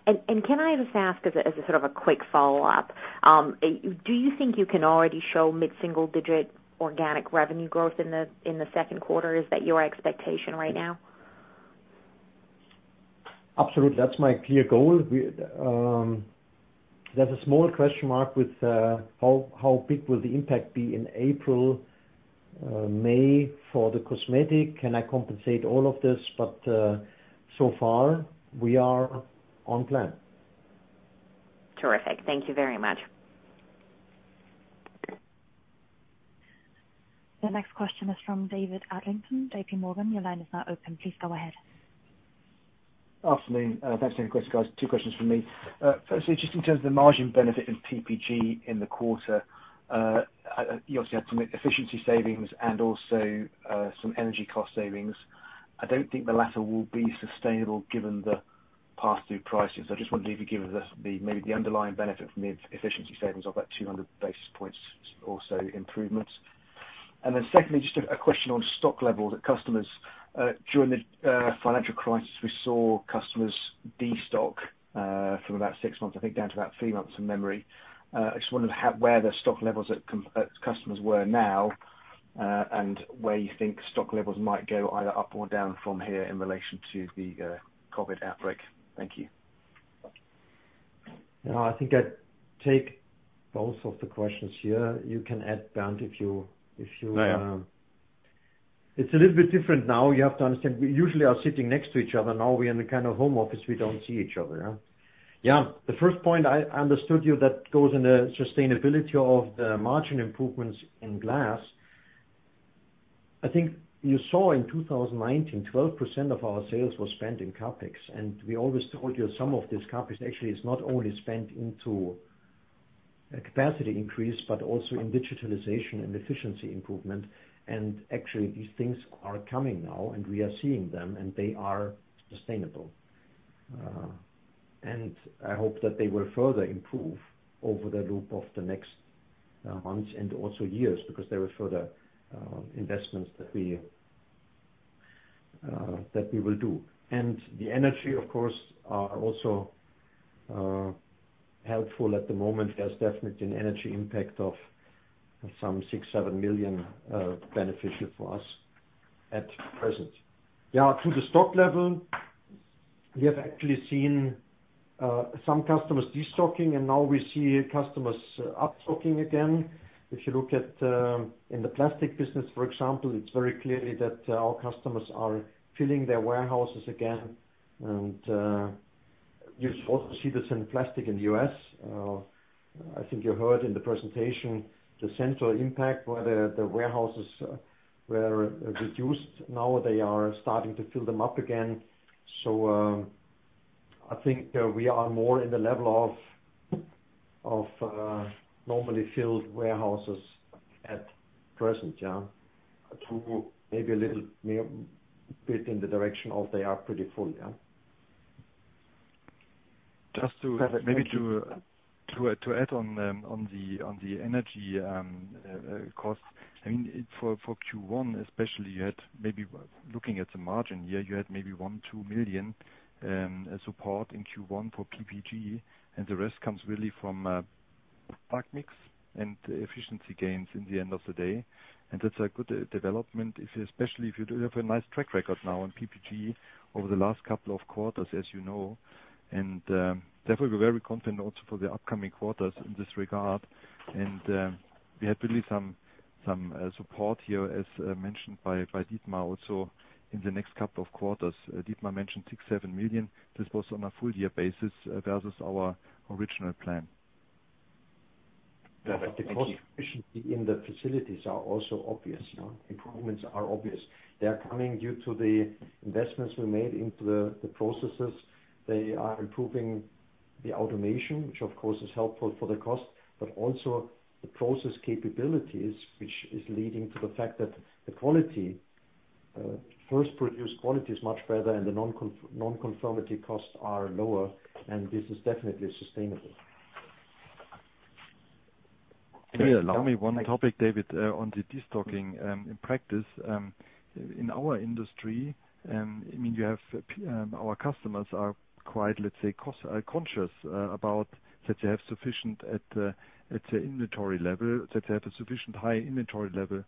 Can I just ask as a sort of a quick follow-up. Do you think you can already show mid-single digit organic revenue growth in the second quarter? Is that your expectation right now? Absolutely. That's my clear goal. There's a small question mark with how big will the impact be in April, May for the cosmetic. Can I compensate all of this? So far we are on plan. Terrific. Thank you very much. The next question is from David Adlington, JPMorgan. Your line is now open. Please go ahead. Afternoon. Thanks for taking the question, guys. Two questions from me. Firstly, just in terms of the margin benefit in PPG in the quarter. You obviously had some efficiency savings and also some energy cost savings. I don't think the latter will be sustainable given the pass-through prices. I just wonder if you can give us maybe the underlying benefit from the efficiency savings of that 200 basis points or so improvements. Secondly, just a question on stock levels at customers. During the financial crisis, we saw customers de-stock from about six months, I think, down to about three months from memory. I just wondered where the stock levels at customers were now, and where you think stock levels might go either up or down from here in relation to the COVID outbreak. Thank you. I think I'd take both of the questions here. You can add, Bernd, if you- No. It's a little bit different now. You have to understand, we usually are sitting next to each other. Now we are in a kind of home office, we don't see each other. Yeah. The first point I understood you, that goes in the sustainability of the margin improvements in glass. I think you saw in 2019, 12% of our sales was spent in CapEx. We always told you some of this CapEx actually is not only spent into a capacity increase, but also in digitalization and efficiency improvement. Actually, these things are coming now, and we are seeing them, and they are sustainable. I hope that they will further improve over the loop of the next months and also years, because there are further investments that we will do. The energy, of course, are also helpful at the moment. There's definitely an energy impact of some 6 million-7 million beneficial for us at present. Yeah, to the stock level, we have actually seen some customers de-stocking. Now we see customers up-stocking again. If you look at in the plastic business, for example, it's very clear that our customers are filling their warehouses again. You also see this in plastic in the U.S. I think you heard in the presentation, the Centor impact where the warehouses were reduced. Now they are starting to fill them up again. I think we are more in the level of normally filled warehouses at present. Yeah. To maybe a little bit in the direction of they are pretty full, yeah. Just to maybe to add on the energy costs. For Q1 especially, maybe looking at the margin, yeah, you had maybe 1 million-2 million support in Q1 for PPG, the rest comes really from pack mix and efficiency gains in the end of the day. That's a good development, especially if you have a nice track record now on PPG over the last couple of quarters, as you know. Definitely, we're very confident also for the upcoming quarters in this regard. We have really some support here as mentioned by Dietmar also in the next couple of quarters. Dietmar mentioned 6 million-7 million. This was on a full year basis versus our original plan. Perfect. Thank you. The cost efficiency in the facilities are also obvious. Improvements are obvious. They are coming due to the investments we made into the processes. They are improving the automation, which of course is helpful for the cost, but also the process capabilities, which is leading to the fact that the first produced quality is much better and the non-conformity costs are lower, and this is definitely sustainable. Allow me one topic, David, on the destocking. In practice, in our industry, our customers are quite conscious about that they have a sufficient high inventory level.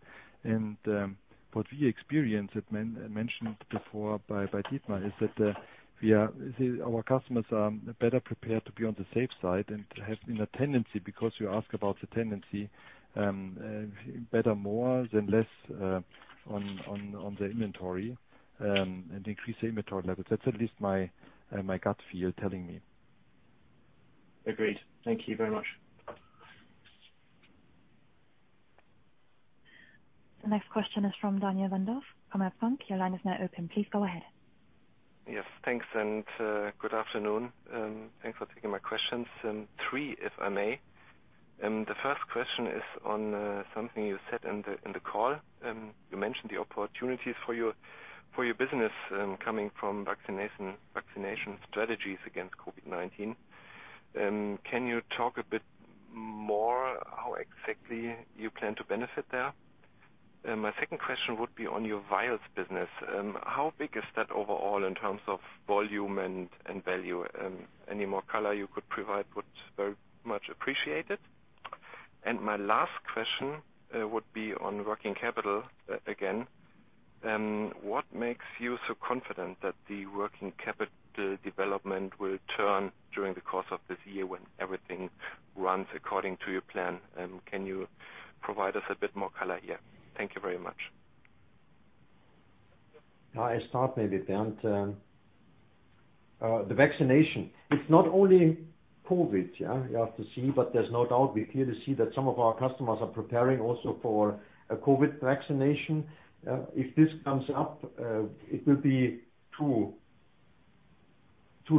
What we experienced, mentioned before by Dietmar, is that our customers are better prepared to be on the safe side and have a tendency, because you ask about the tendency, better more than less on the inventory and increase the inventory levels. That's at least my gut feel telling me. Agreed. Thank you very much. The next question is from Daniel Wendorff, Commerzbank. Your line is now open. Please go ahead. Yes, thanks. Good afternoon. Thanks for taking my questions. Three, if I may. The first question is on something you said in the call. You mentioned the opportunities for your business coming from vaccination strategies against COVID-19. Can you talk a bit more how exactly you plan to benefit there? My second question would be on your vials business. How big is that overall in terms of volume and value? Any more color you could provide would be very much appreciated. My last question would be on working capital again. What makes you so confident that the working capital development will turn during the course of this year when everything runs according to your plan? Can you provide us a bit more color here? Thank you very much. I start maybe, Bernd. The vaccination. It's not only COVID. You have to see, but there's no doubt, we clearly see that some of our customers are preparing also for a COVID vaccination. If this comes up, it will be too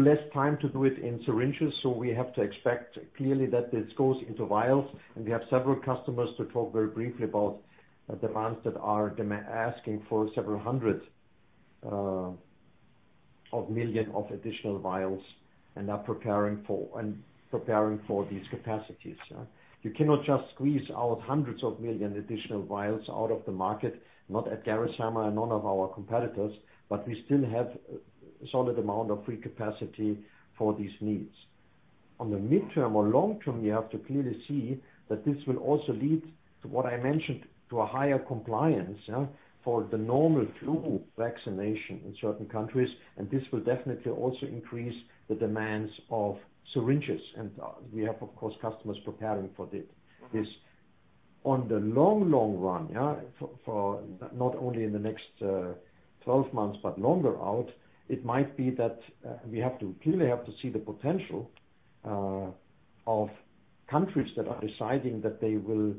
less time to do it in syringes, so we have to expect clearly that this goes into vials, and we have several customers to talk very briefly about demands that are asking for several hundreds of million of additional vials and are preparing for these capacities. You cannot just squeeze out hundreds of million additional vials out of the market, not at Gerresheimer and none of our competitors, but we still have a solid amount of free capacity for these needs. On the midterm or long term, you have to clearly see that this will also lead to what I mentioned, to a higher compliance for the normal flu vaccination in certain countries, and this will definitely also increase the demands of syringes. We have, of course, customers preparing for this. On the long run, for not only in the next 12 months, but longer out, it might be that we clearly have to see the potential of countries that are deciding that they will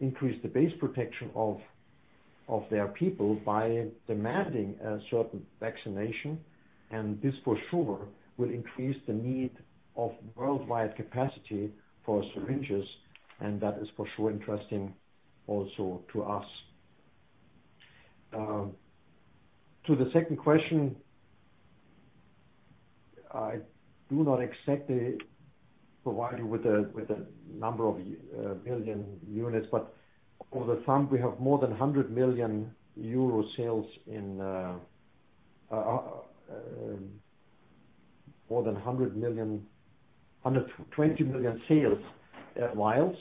increase the base protection of their people by demanding a certain vaccination. This for sure will increase the need of worldwide capacity for syringes, and that is for sure interesting also to us. To the second question, I do not exactly provide you with a number of million units, but over the thumb, we have more than 100 million sales, vials.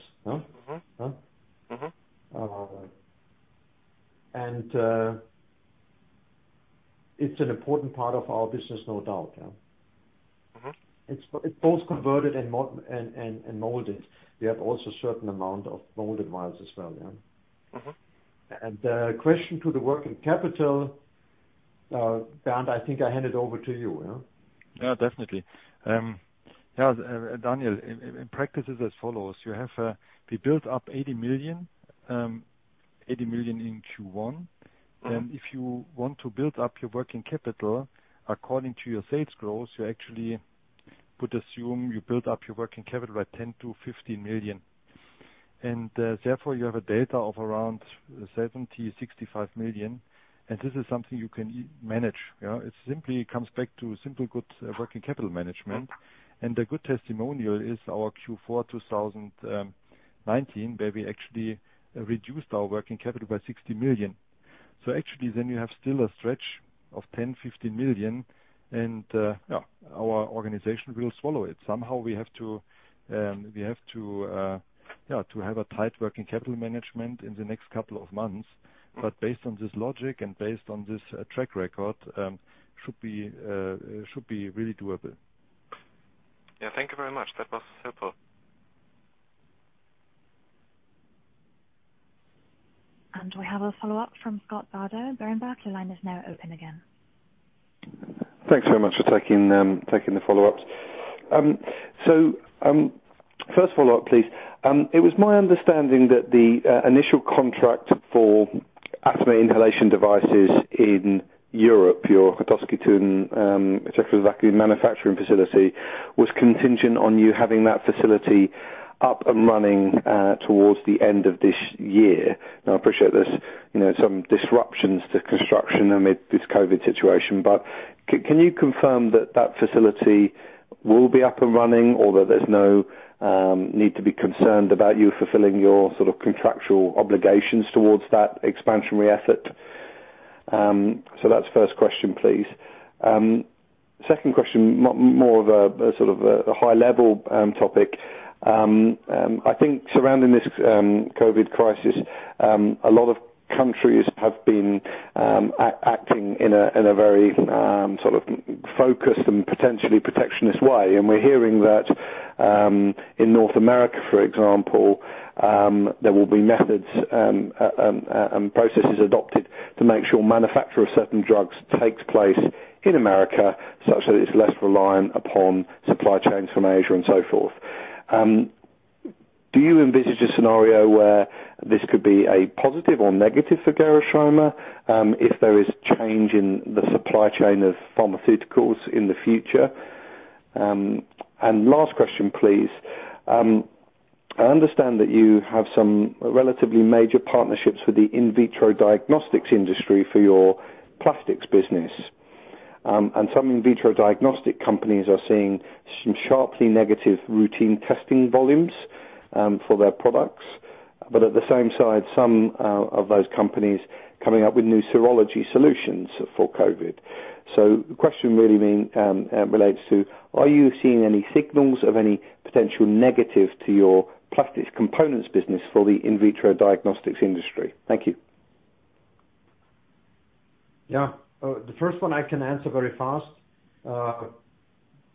It's an important part of our business, no doubt. It's both converted and molded. We have also a certain amount of molded vials as well. The question to the working capital, Bernd, I think I hand it over to you. Yeah, definitely. Daniel, in practice it's as follows. We built up 80 million in Q1. If you want to build up your working capital according to your sales growth, you actually would assume you build up your working capital by 10 million-15 million. Therefore, you have a delta of around 70 million, 65 million, and this is something you can manage. It simply comes back to simple, good working capital management. A good testimonial is our Q4 2019, where we actually reduced our working capital by 60 million. Actually, then you have still a stretch of 10 million-15 million, and our organization will swallow it. Somehow we have to have a tight working capital management in the next couple of months. Based on this logic and based on this track record, should be really doable. Yeah. Thank you very much. That was helpful. We have a follow-up from Scott Bardo. Berenberg, the line is now open again. Thanks very much for taking the follow-ups. First follow-up, please. It was my understanding that the initial contract for asthma inhalation devices in Europe, your Horšovský Týn, Czech Republic manufacturing facility, was contingent on you having that facility up and running towards the end of this year. Now, I appreciate there's some disruptions to construction amid this COVID situation, but can you confirm that facility will be up and running or that there's no need to be concerned about you fulfilling your contractual obligations towards that expansionary effort? That's the first question, please. Second question, more of a high-level topic. I think surrounding this COVID crisis, a lot of countries have been acting in a very focused and potentially protectionist way, and we're hearing that in North America, for example, there will be methods and processes adopted to make sure manufacture of certain drugs takes place in America, such that it's less reliant upon supply chains from Asia and so forth. Do you envisage a scenario where this could be a positive or negative for Gerresheimer if there is a change in the supply chain of pharmaceuticals in the future? Last question, please. I understand that you have some relatively major partnerships with the in vitro diagnostics industry for your plastics business. Some in vitro diagnostic companies are seeing some sharply negative routine testing volumes for their products. At the same side, some of those companies coming up with new serology solutions for COVID. The question really relates to, are you seeing any signals of any potential negative to your plastics components business for the in vitro diagnostics industry? Thank you. The first one I can answer very fast.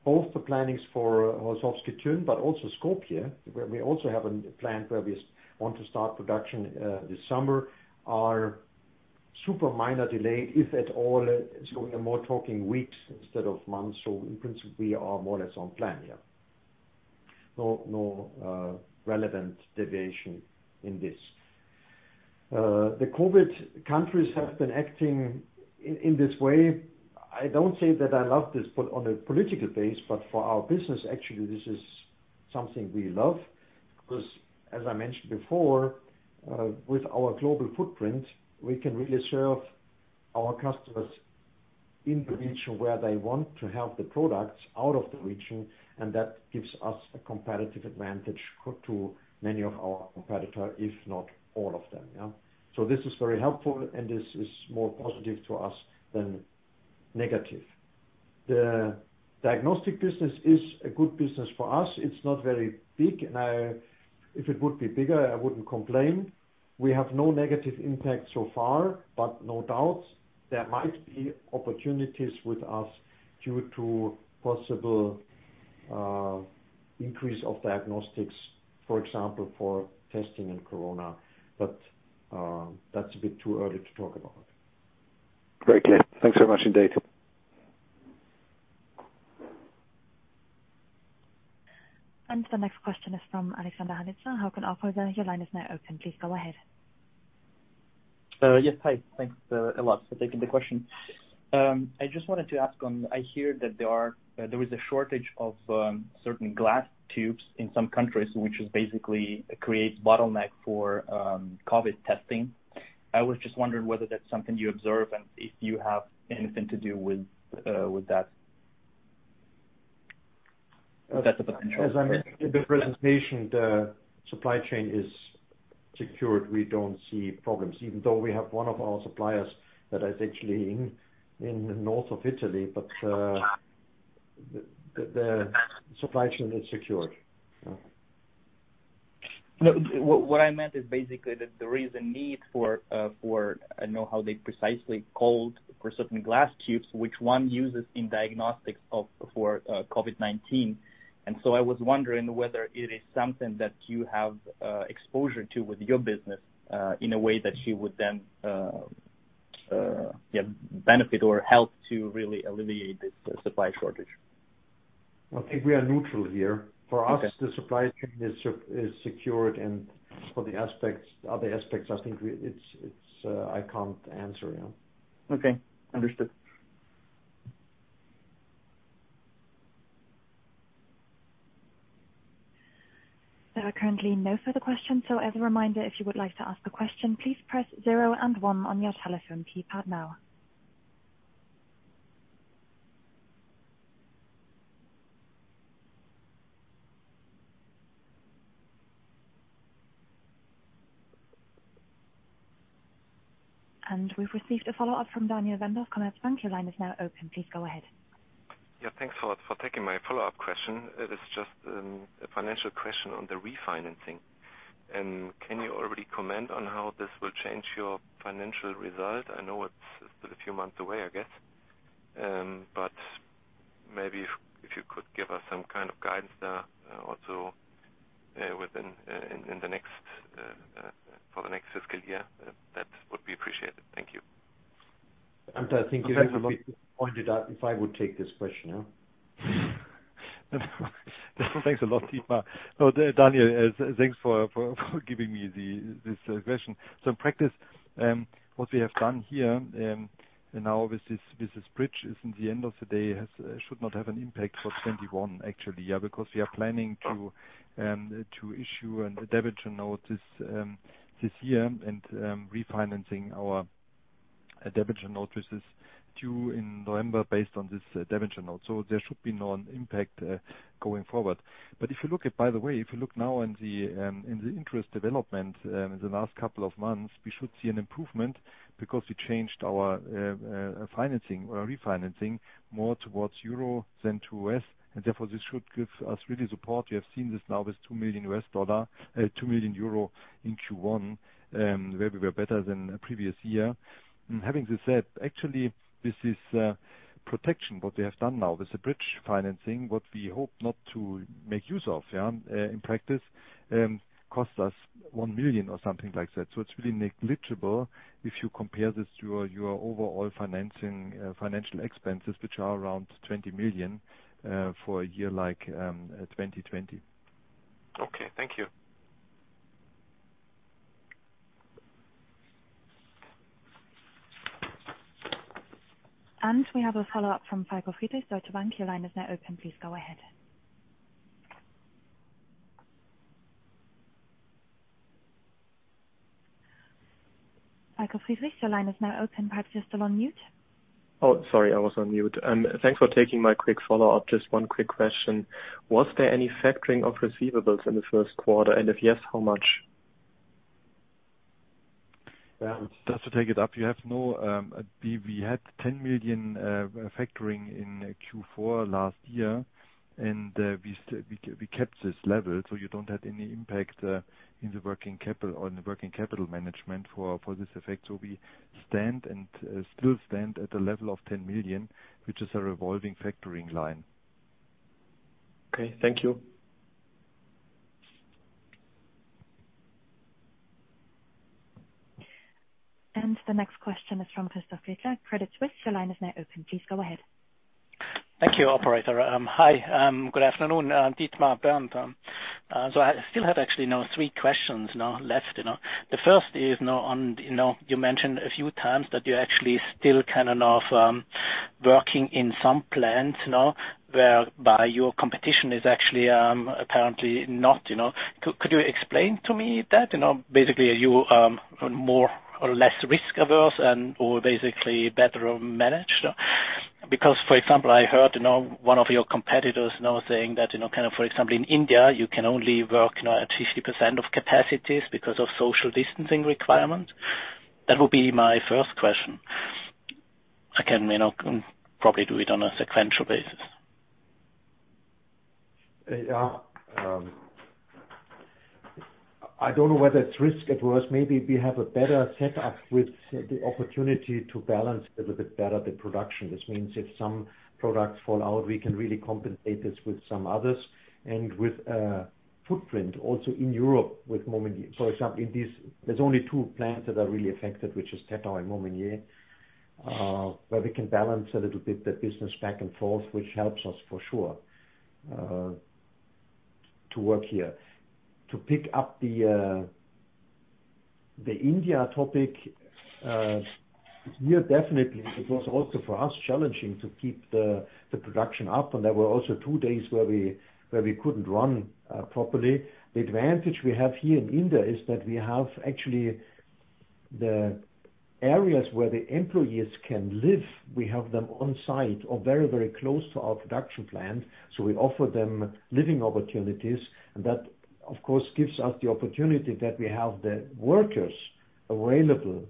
Both the plannings for Horšovský Týn, but also Skopje, where we also have a plan where we want to start production this summer, are super minor delayed, if at all, so we are more talking weeks instead of months. In principle, we are more or less on plan. No relevant deviation in this. The COVID countries have been acting in this way. I don't say that I love this on a political basis, but for our business, actually, this is something we love. As I mentioned before, with our global footprint, we can really serve our customers in the region where they want to have the products out of the region, and that gives us a competitive advantage to many of our competitor, if not all of them. This is very helpful, and this is more positive to us than negative. The diagnostic business is a good business for us. It's not very big, and if it would be bigger, I wouldn't complain. We have no negative impact so far, but no doubts, there might be opportunities with us due to possible increase of diagnostics, for example, for testing in corona. That's a bit too early to talk about. Great, clear. Thanks very much indeed. The next question is from Alexander Galitsa, Hauck & Aufhäuser. Your line is now open. Please go ahead. Yes. Hi. Thanks a lot for taking the question. I just wanted to ask on, I hear that there is a shortage of certain glass tubes in some countries, which basically creates bottleneck for COVID testing. I was just wondering whether that's something you observe and if you have anything to do with that. As I mentioned in the presentation, the supply chain is secured. We don't see problems, even though we have one of our suppliers that is actually in the north of Italy, but the supply chain is secured. Yeah. No. What I meant is basically that there is a need for, I don't know how they precisely called, for certain glass tubes which one uses in diagnostics for COVID-19. I was wondering whether it is something that you have exposure to with your business, in a way that you would then benefit or help to really alleviate this supply shortage. I think we are neutral here. Okay. For us, the supply chain is secured and for the other aspects, I think I can't answer. Yeah. Okay. Understood. There are currently no further questions, so as a reminder, if you would like to ask a question, please press zero and one on your telephone keypad now. We've received a follow-up from Daniel Wendorff, Commerzbank. Your line is now open. Please go ahead. Yeah. Thanks a lot for taking my follow-up question. It is just a financial question on the refinancing. Can you already comment on how this will change your financial result? I know it's still a few months away, I guess. Maybe if you could give us some kind of guidance there also for the next fiscal year, that would be appreciated. Thank you. Bernd, I think you would be pointed out if I would take this question, yeah? Thanks a lot, Dietmar. No, Daniel, thanks for giving me this question. In practice, what we have done here, and now with this bridge, is in the end of the day, should not have an impact for 2021 actually, yeah, because we are planning to issue a debenture note this year and refinancing our debenture note, which is due in November based on this debenture note. There should be no impact going forward. If you look at, by the way, if you look now in the interest development in the last couple of months, we should see an improvement because we changed our financing or refinancing more towards euro than to U.S. Therefore, this should give us really support. We have seen this now with EUR 2 million in Q1, where we were better than previous year. Having this said, actually this is protection, what we have done now. This bridge financing, what we hope not to make use of, yeah, in practice, costs us 1 million or something like that. It's really negligible if you compare this to your overall financial expenses, which are around 20 million, for a year like 2020. Okay. Thank you. We have a follow-up from Falko Friedrichs, Deutsche Bank. Your line is now open. Please go ahead. Falko Friedrichs, your line is now open. Perhaps you're still on mute? Oh, sorry, I was on mute. Thanks for taking my quick follow-up. Just one quick question. Was there any factoring of receivables in the first quarter? If yes, how much? Just to take it up, we had 10 million factoring in Q4 last year, and we kept this level, so you don't have any impact on the working capital management for this effect. We still stand at the level of 10 million, which is a revolving factoring line. Okay. Thank you. The next question is from Christoph Gretler, Credit Suisse. Your line is now open. Please go ahead. Thank you, operator. Hi, good afternoon, Dietmar, Bernd. I still have actually three questions left. The first is on. You mentioned a few times that you actually still kind of working in some plants, whereby your competition is actually apparently not. Could you explain to me that? Basically, are you more or less risk-averse and/or basically better managed? For example, I heard one of your competitors saying that, for example, in India, you can only work at 50% of capacities because of social distancing requirements. That would be my first question. I can probably do it on a sequential basis. Yeah. I don't know whether it's risk-averse. Maybe we have a better setup with the opportunity to balance a little bit better the production. This means if some products fall out, we can really compensate this with some others and with footprint also in Europe with Momignies. For example, there's only two plants that are really affected, which is Tettau and Momignies, where we can balance a little bit the business back and forth, which helps us for sure, to work here. To pick up the India topic, here definitely it was also for us challenging to keep the production up and there were also two days where we couldn't run properly. The advantage we have here in India is that we have actually the areas where the employees can live. We have them on site or very close to our production plant. We offer them living opportunities and that of course gives us the opportunity that we have the workers available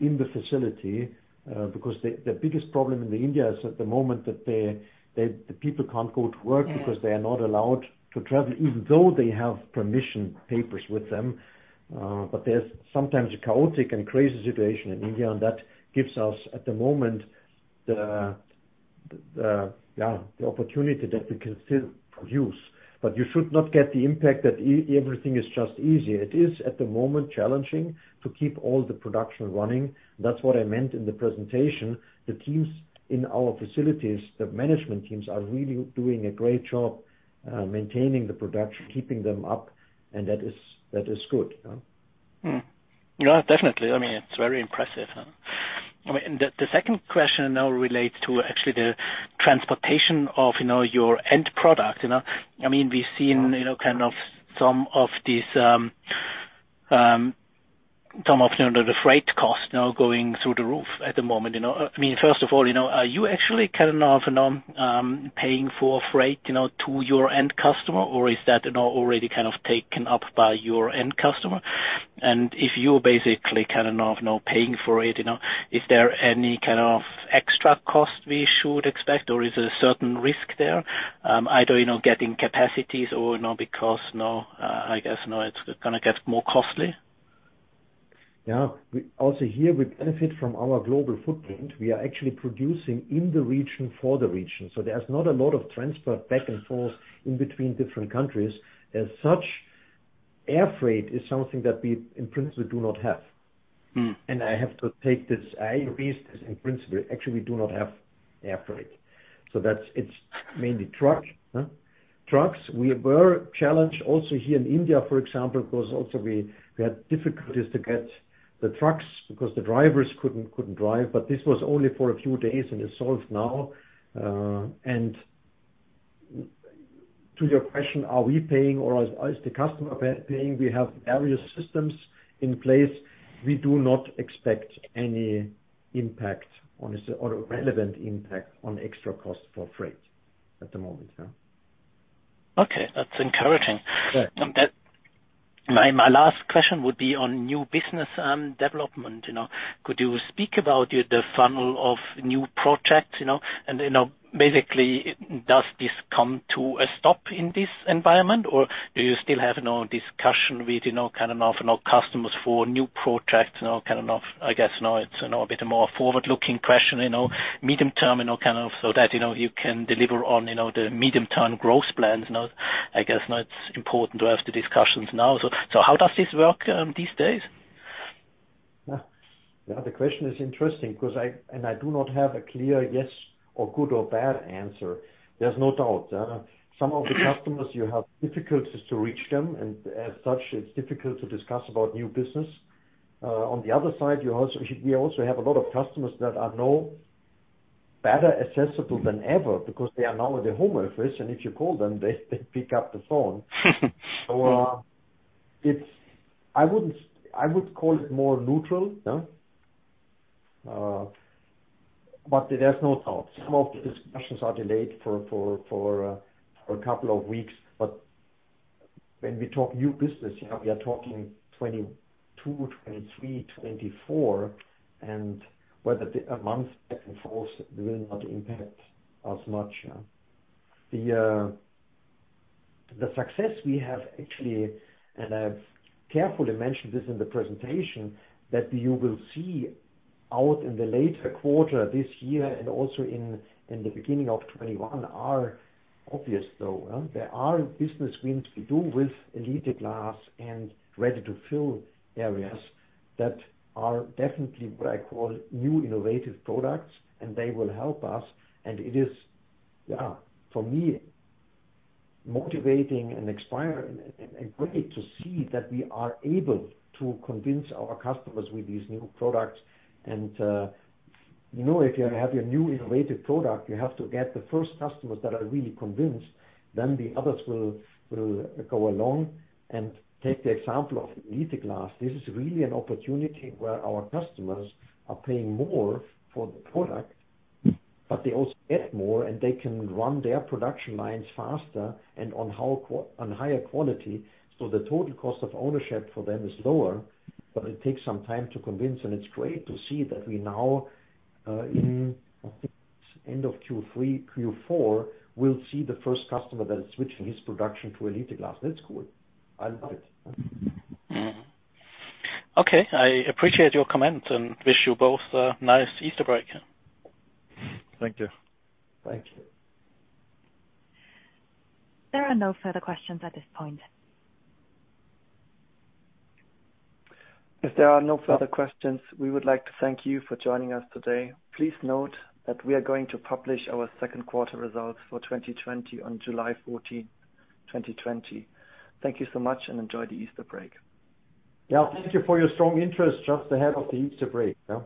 in the facility. The biggest problem in India is at the moment that the people can't go to work because they are not allowed to travel, even though they have permission papers with them. There's sometimes a chaotic and crazy situation in India and that gives us at the moment the opportunity that we can still produce. You should not get the impact that everything is just easy. It is at the moment challenging to keep all the production running. That's what I meant in the presentation. The teams in our facilities, the management teams are really doing a great job maintaining the production, keeping them up, and that is good. Yeah. Definitely. It's very impressive. The second question now relates to actually the transportation of your end product. We've seen some of the freight cost now going through the roof at the moment. First of all, are you actually kind of paying for freight to your end customer or is that now already kind of taken up by your end customer? If you basically are now paying for it, is there any kind of extra cost we should expect or is there a certain risk there? Either getting capacities or now because now, I guess now it's going to get more costly? Yeah. Also here, we benefit from our global footprint. We are actually producing in the region for the region. There's not a lot of transport back and forth in between different countries. As such, air freight is something that we, in principle, do not have. I have to take this, I repeat this in principle, actually, we do not have air freight. It's mainly truck. Trucks, we were challenged also here in India, for example, because also we had difficulties to get the trucks because the drivers couldn't drive, but this was only for a few days, and it's solved now. To your question, are we paying or is the customer paying? We have various systems in place. We do not expect any relevant impact on extra cost for freight at the moment. Okay. That's encouraging. Yeah. My last question would be on new business development. Could you speak about the funnel of new projects, basically, does this come to a stop in this environment, or do you still have discussion with customers for new projects, I guess now it's a bit more forward-looking question, medium-term, so that you can deliver on the medium-term growth plans. I guess now it's important to have the discussions now. How does this work these days? The question is interesting because I do not have a clear yes or good or bad answer. There's no doubt. Some of the customers, you have difficulties to reach them, and as such, it's difficult to discuss about new business. On the other side, we also have a lot of customers that are now better accessible than ever because they are now at their home office, and if you call them, they pick up the phone. I would call it more neutral. There's no doubt some of the discussions are delayed for a couple of weeks. When we talk new business, we are talking 2022, 2023, 2024, and whether a month back and forth will not impact us much. The success we have actually, and I've carefully mentioned this in the presentation, that you will see out in the later quarter this year and also in the beginning of 2021 are obvious, though. There are business wins we do with Gx Elite and ready-to-fill areas that are definitely what I call new innovative products, and they will help us. It is, for me, motivating and inspiring and great to see that we are able to convince our customers with these new products. If you have your new innovative product, you have to get the first customers that are really convinced, then the others will go along. Take the example of Gx Elite. This is really an opportunity where our customers are paying more for the product, but they also get more, and they can run their production lines faster and on higher quality. The total cost of ownership for them is lower, but it takes some time to convince, and it's great to see that we now, in, I think, end of Q3, Q4, will see the first customer that is switching his production to Gx Elite. That's cool. I love it. Okay. I appreciate your comment and wish you both a nice Easter break. Thank you. Thank you. There are no further questions at this point. If there are no further questions, we would like to thank you for joining us today. Please note that we are going to publish our second quarter results for 2020 on July 14, 2020. Thank you so much, and enjoy the Easter Break. Yeah. Thank you for your strong interest just ahead of the Easter break. Yeah.